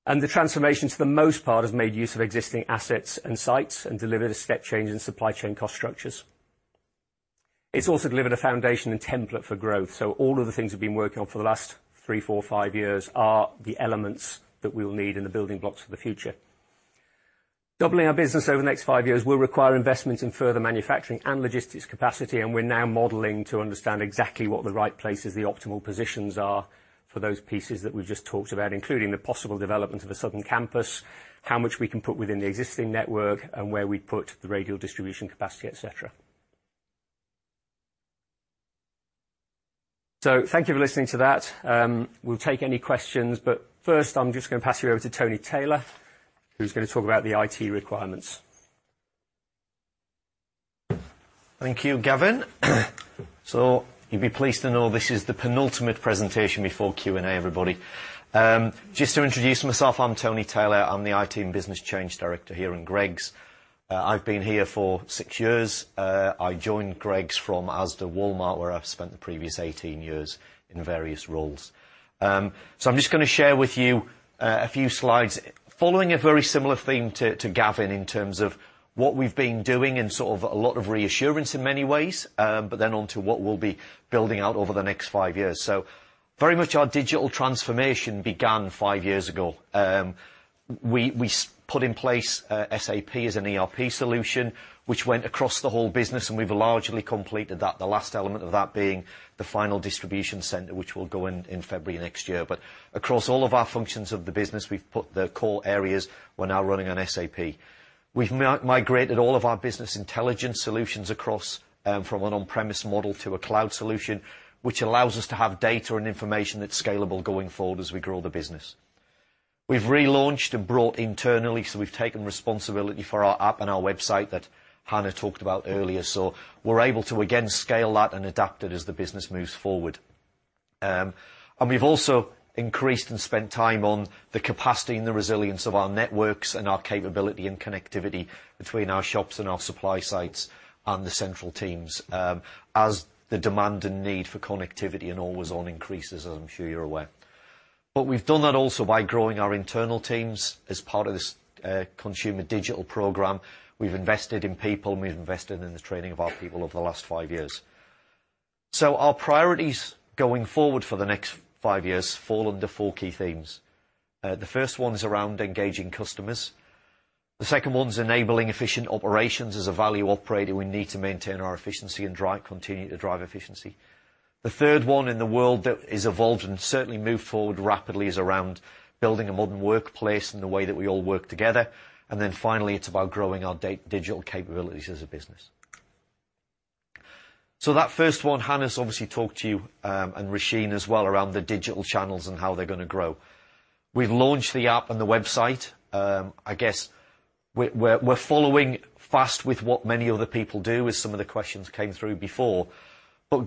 The transformation, for the most part, has made use of existing assets and sites and delivered a step change in supply chain cost structures. It's also delivered a foundation and template for growth. All of the things we've been working on for the last three, four, five years are the elements that we will need in the building blocks for the future. Doubling our business over the next five years will require investment in further manufacturing and logistics capacity, and we're now modeling to understand exactly what the right places, the optimal positions are for those pieces that we've just talked about, including the possible development of a southern campus, how much we can put within the existing network, and where we put the radial distribution capacity, et cetera. Thank you for listening to that. We'll take any questions, but first I'm just going to pass you over to Tony Taylor, who's going to talk about the IT requirements. Thank you, Gavin. You'll be pleased to know this is the penultimate presentation before Q&A, everybody. Just to introduce myself, I'm Tony Taylor. I'm the IT & Business Change Director here in Greggs. I've been here for six years. I joined Greggs from Asda Walmart, where I've spent the previous 18 years in various roles. I'm just going to share with you a few slides following a very similar theme to Gavin in terms of what we've been doing and sort of a lot of reassurance in many ways, but then onto what we'll be building out over the next five years. Very much our digital transformation began five years ago. We put in place SAP as an ERP solution, which went across the whole business, and we've largely completed that, the last element of that being the final distribution center, which will go in in February next year. Across all of our functions of the business, we've put the core areas we're now running on SAP. We've migrated all of our business intelligence solutions across, from an on-premise model to a cloud solution, which allows us to have data and information that's scalable going forward as we grow the business. We've relaunched and brought internally, so we've taken responsibility for our Greggs App and our website that Hannah talked about earlier. We're able to, again, scale that and adapt it as the business moves forward. We've also increased and spent time on the capacity and the resilience of our networks and our capability and connectivity between our shops and our supply sites and the central teams, as the demand and need for connectivity and always on increases, as I'm sure you're aware. We've done that also by growing our internal teams as part of this consumer digital program. We've invested in people, and we've invested in the training of our people over the last five years. Our priorities going forward for the next five years fall under four key themes. The first one is around engaging customers. The second one is enabling efficient operations. As a value operator, we need to maintain our efficiency and continue to drive efficiency. The third one in the world that has evolved and certainly moved forward rapidly is around building a modern workplace and the way that we all work together, and then finally, it's about growing our digital capabilities as a business. That first one, Hannah's obviously talked to you, and Roisin as well, around the digital channels and how they're going to grow. We've launched the app and the website. I guess we're following fast with what many other people do with some of the questions came through before.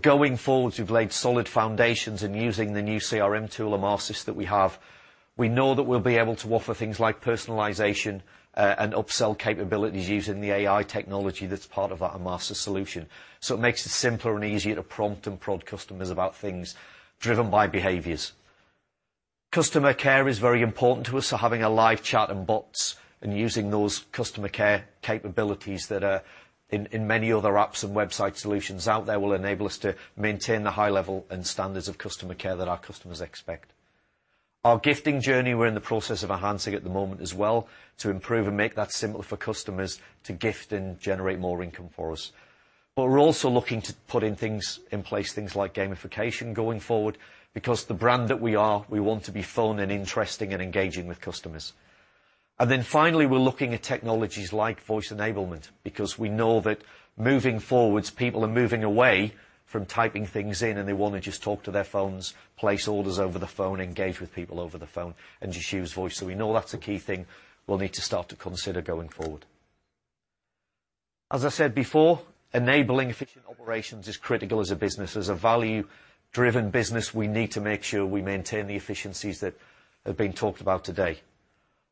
Going forward, we've laid solid foundations in using the new CRM tool, Emarsys, that we have. We know that we'll be able to offer things like personalization and upsell capabilities using the AI technology that's part of that Emarsys solution. It makes it simpler and easier to prompt and prod customers about things driven by behaviors. Customer care is very important to us, so having a live chat and bots and using those customer care capabilities that are in many other apps and website solutions out there will enable us to maintain the high level and standards of customer care that our customers expect. Our gifting journey we're in the process of enhancing at the moment as well to improve and make that simpler for customers to gift and generate more income for us. We're also looking to put in place things like gamification going forward because the brand that we are, we want to be fun and interesting and engaging with customers. Finally, we're looking at technologies like voice enablement because we know that moving forward, people are moving away from typing things in and they want to just talk to their phones, place orders over the phone, engage with people over the phone, and just use voice. We know that's a key thing we'll need to start to consider going forward. As I said before, enabling efficient operations is critical as a business. As a value-driven business, we need to make sure we maintain the efficiencies that have been talked about today.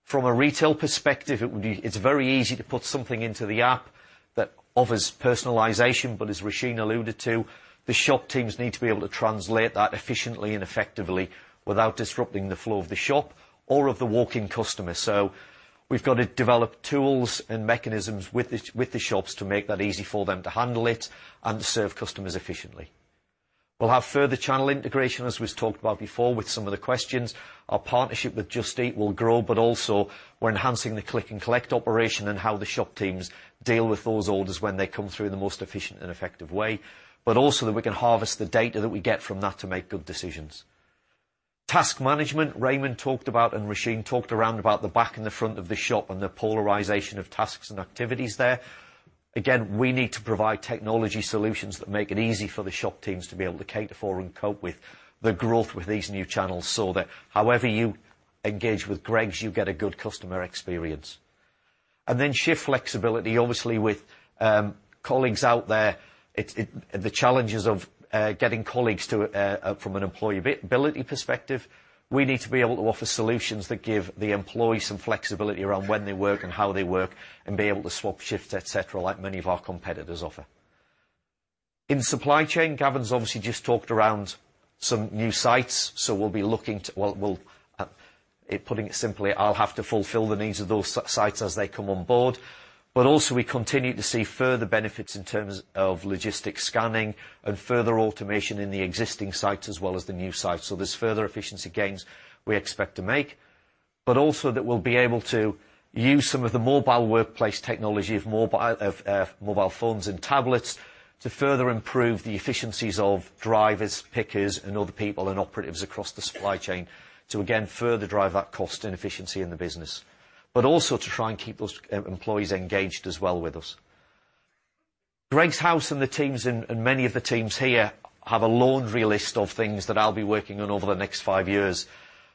From a retail perspective, it's very easy to put something into the App that offers personalization, but as Roisin alluded to, the shop teams need to be able to translate that efficiently and effectively without disrupting the flow of the shop or of the walk-in customer. We've got to develop tools and mechanisms with the shops to make that easy for them to handle it and serve customers efficiently. We'll have further channel integration, as we've talked about before with some of the questions. Our partnership with Just Eat will grow, but also we're enhancing the click and collect operation and how the shop teams deal with those orders when they come through in the most efficient and effective way. Also, that we can harvest the data that we get from that to make good decisions. Task management, Raymond talked about and Roisin talked around about the back and the front of the shop and the polarization of tasks and activities there. We need to provide technology solutions that make it easy for the shop teams to be able to cater for and cope with the growth with these new channels so that however you engage with Greggs, you get a good customer experience. Shift flexibility, obviously with colleagues out there, the challenges of getting colleagues from an employability perspective, we need to be able to offer solutions that give the employee some flexibility around when they work and how they work and be able to swap shifts, etc., like many of our competitors offer. In supply chain, Gavin's obviously just talked around some new sites. Putting it simply, I'll have to fulfill the needs of those sites as they come on board. We continue to see further benefits in terms of logistics scanning and further automation in the existing sites as well as the new sites. There's further efficiency gains we expect to make, but also that we'll be able to use some of the mobile workplace technology of mobile phones and tablets to further improve the efficiencies of drivers, pickers and other people and operatives across the supply chain to again, further drive that cost and efficiency in the business. To try and keep those employees engaged as well with us Greggs House and the teams, and many of the teams here have a laundry list of things that I'll be working on over the next five years.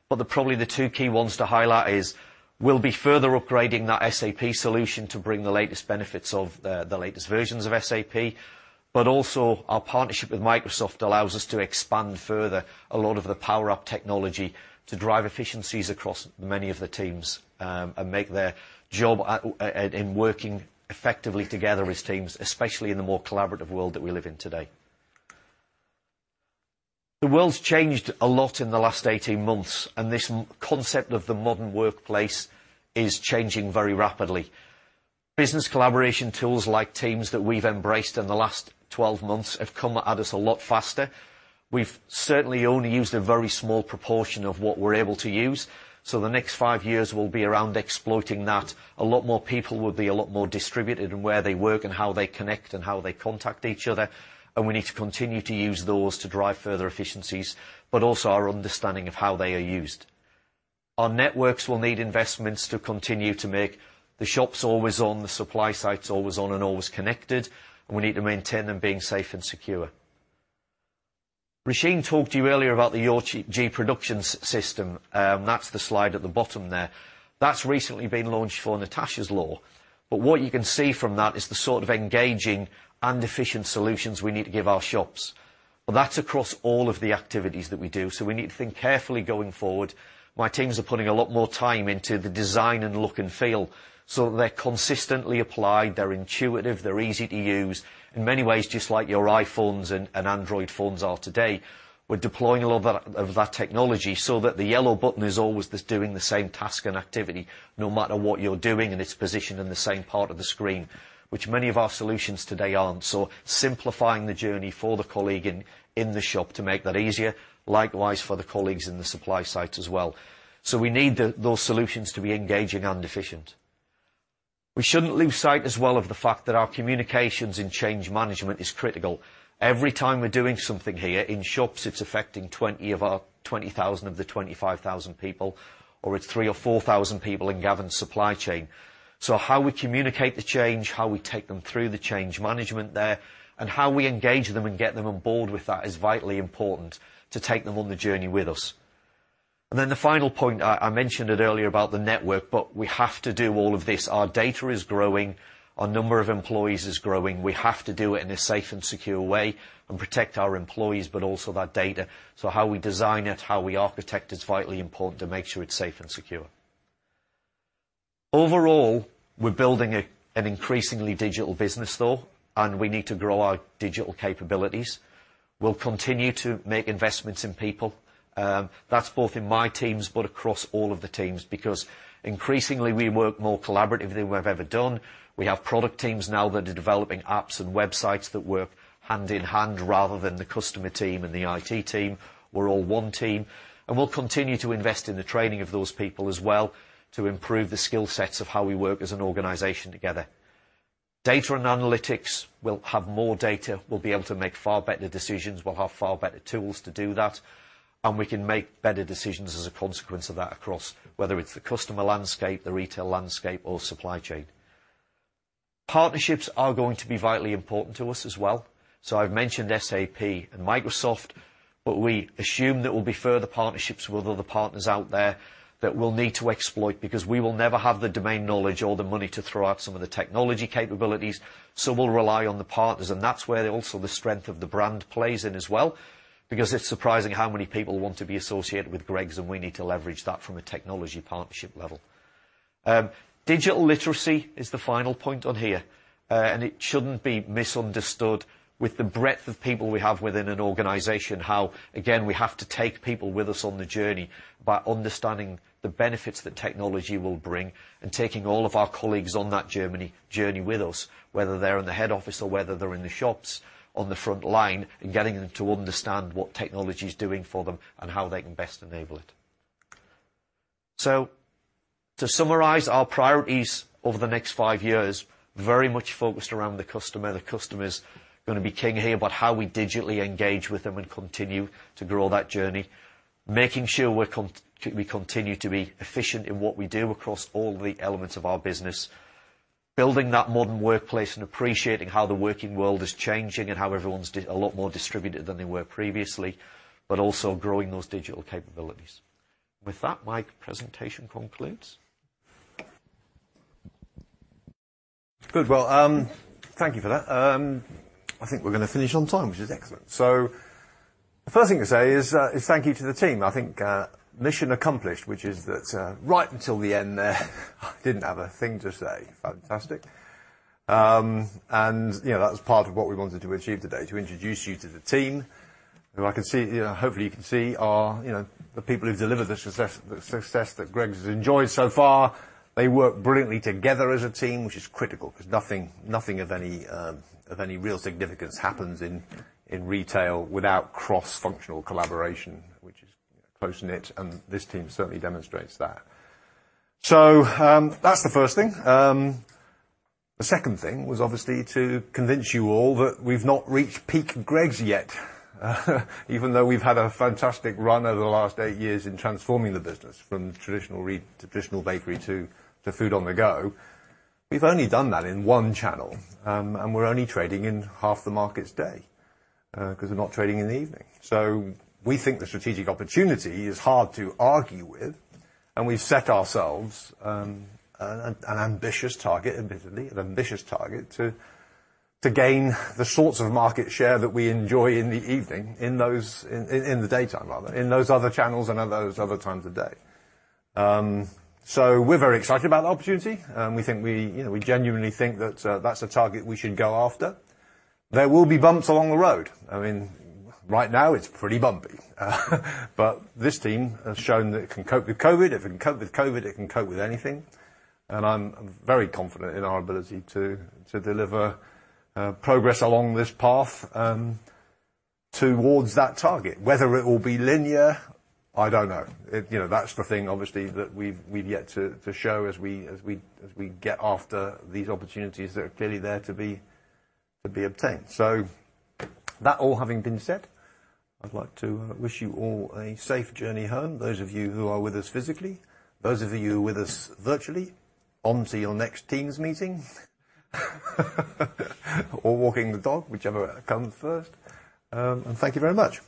Probably the two key ones to highlight is we'll be further upgrading that SAP solution to bring the latest benefits of the latest versions of SAP. Also, our partnership with Microsoft allows us to expand further a lot of the Power Apps technology to drive efficiencies across many of the teams, and make their job in working effectively together as teams, especially in the more collaborative world that we live in today. The world's changed a lot in the last 18 months, and this concept of the modern workplace is changing very rapidly. Business collaboration tools like Teams that we've embraced in the last 12 months have come at us a lot faster. We've certainly only used a very small proportion of what we're able to use. The next five years will be around exploiting that. A lot more people will be a lot more distributed in where they work and how they connect and how they contact each other, and we need to continue to use those to drive further efficiencies, but also our understanding of how they are used. Our networks will need investments to continue to make the shops always on, the supply sites always on and always connected, and we need to maintain them being safe and secure. Roisin talked to you earlier about the Greggs Production system. That's the slide at the bottom there. That's recently been launched for Natasha's Law. What you can see from that is the sort of engaging and efficient solutions we need to give our shops. That's across all of the activities that we do, so we need to think carefully going forward. My teams are putting a lot more time into the design and look and feel so that they're consistently applied, they're intuitive, they're easy to use, in many ways just like your iPhones and Android phones are today. We're deploying a lot of that technology so that the yellow button is always doing the same task and activity no matter what you're doing, and it's positioned in the same part of the screen, which many of our solutions today aren't. Simplifying the journey for the colleague in the shop to make that easier. Likewise, for the colleagues in the supply sites as well. We need those solutions to be engaging and efficient. We shouldn't lose sight as well of the fact that our communications in change management is critical. Every time we're doing something here in shops, it's affecting 20,000 of the 25,000 people, or it's 3,000 or 4,000 people in Gavin's supply chain. How we communicate the change, how we take them through the change management there, and how we engage them and get them on board with that is vitally important to take them on the journey with us. The final point, I mentioned it earlier about the network, but we have to do all of this. Our data is growing, our number of employees is growing. We have to do it in a safe and secure way and protect our employees, but also that data. How we design it, how we architect it, is vitally important to make sure it's safe and secure. Overall, we're building an increasingly digital business, though, and we need to grow our digital capabilities. We'll continue to make investments in people. That's both in my teams but across all of the teams, because increasingly we work more collaboratively than we've ever done. We have product teams now that are developing apps and websites that work hand in hand, rather than the customer team and the IT team. We're all one team. We'll continue to invest in the training of those people as well to improve the skill sets of how we work as an organization together. Data and analytics, we'll have more data. We'll be able to make far better decisions. We'll have far better tools to do that. We can make better decisions as a consequence of that across whether it's the customer landscape, the retail landscape, or supply chain. Partnerships are going to be vitally important to us as well. I've mentioned SAP and Microsoft, but we assume there will be further partnerships with other partners out there that we'll need to exploit, because we will never have the domain knowledge or the money to throw at some of the technology capabilities. We'll rely on the partners, and that's where also the strength of the brand plays in as well, because it's surprising how many people want to be associated with Greggs, and we need to leverage that from a technology partnership level. Digital literacy is the final point on here. It shouldn't be misunderstood with the breadth of people we have within an organization, how, again, we have to take people with us on the journey by understanding the benefits that technology will bring and taking all of our colleagues on that journey with us, whether they're in the head office or whether they're in the shops on the front line, and getting them to understand what technology's doing for them and how they can best enable it. To summarize our priorities over the next five years, very much focused around the customer. The customer's going to be king here, but how we digitally engage with them and continue to grow that journey, making sure we continue to be efficient in what we do across all the elements of our business, building that modern workplace and appreciating how the working world is changing and how everyone's a lot more distributed than they were previously, but also growing those digital capabilities. With that, my presentation concludes. Good, well, thank you for that. I think we're going to finish on time, which is excellent. The first thing to say is thank you to the team. I think mission accomplished, which is that right until the end there, I didn't have a thing to say. Fantastic. That was part of what we wanted to achieve today, to introduce you to the team, who I can see, hopefully you can see, are the people who've delivered the success that Greggs has enjoyed so far. They work brilliantly together as a team, which is critical, because nothing of any real significance happens in retail without cross-functional collaboration, which is close-knit, and this team certainly demonstrates that. That's the first thing. The second thing was obviously to convince you all that we've not reached peak Greggs yet. Even though we've had a fantastic run over the last eight years in transforming the business from traditional bakery to food-on-the-go, we've only done that in one channel, and we're only trading in half the market's day, because we're not trading in the evening. We think the strategic opportunity is hard to argue with, and we've set ourselves an ambitious target, admittedly, an ambitious target to gain the sorts of market share that we enjoy in the evening, in the daytime rather, in those other channels and those other times of day. We're very excited about the opportunity. We genuinely think that's a target we should go after. There will be bumps along the road. Right now it's pretty bumpy. This team has shown that it can cope with COVID. If it can cope with COVID, it can cope with anything, and I'm very confident in our ability to deliver progress along this path towards that target. Whether it will be linear, I don't know. That's the thing, obviously, that we've yet to show as we get after these opportunities that are clearly there to be obtained. That all having been said, I'd like to wish you all a safe journey home, those of you who are with us physically. Those of you who are with us virtually, on to your next Teams meeting or walking the dog, whichever comes first. Thank you very much.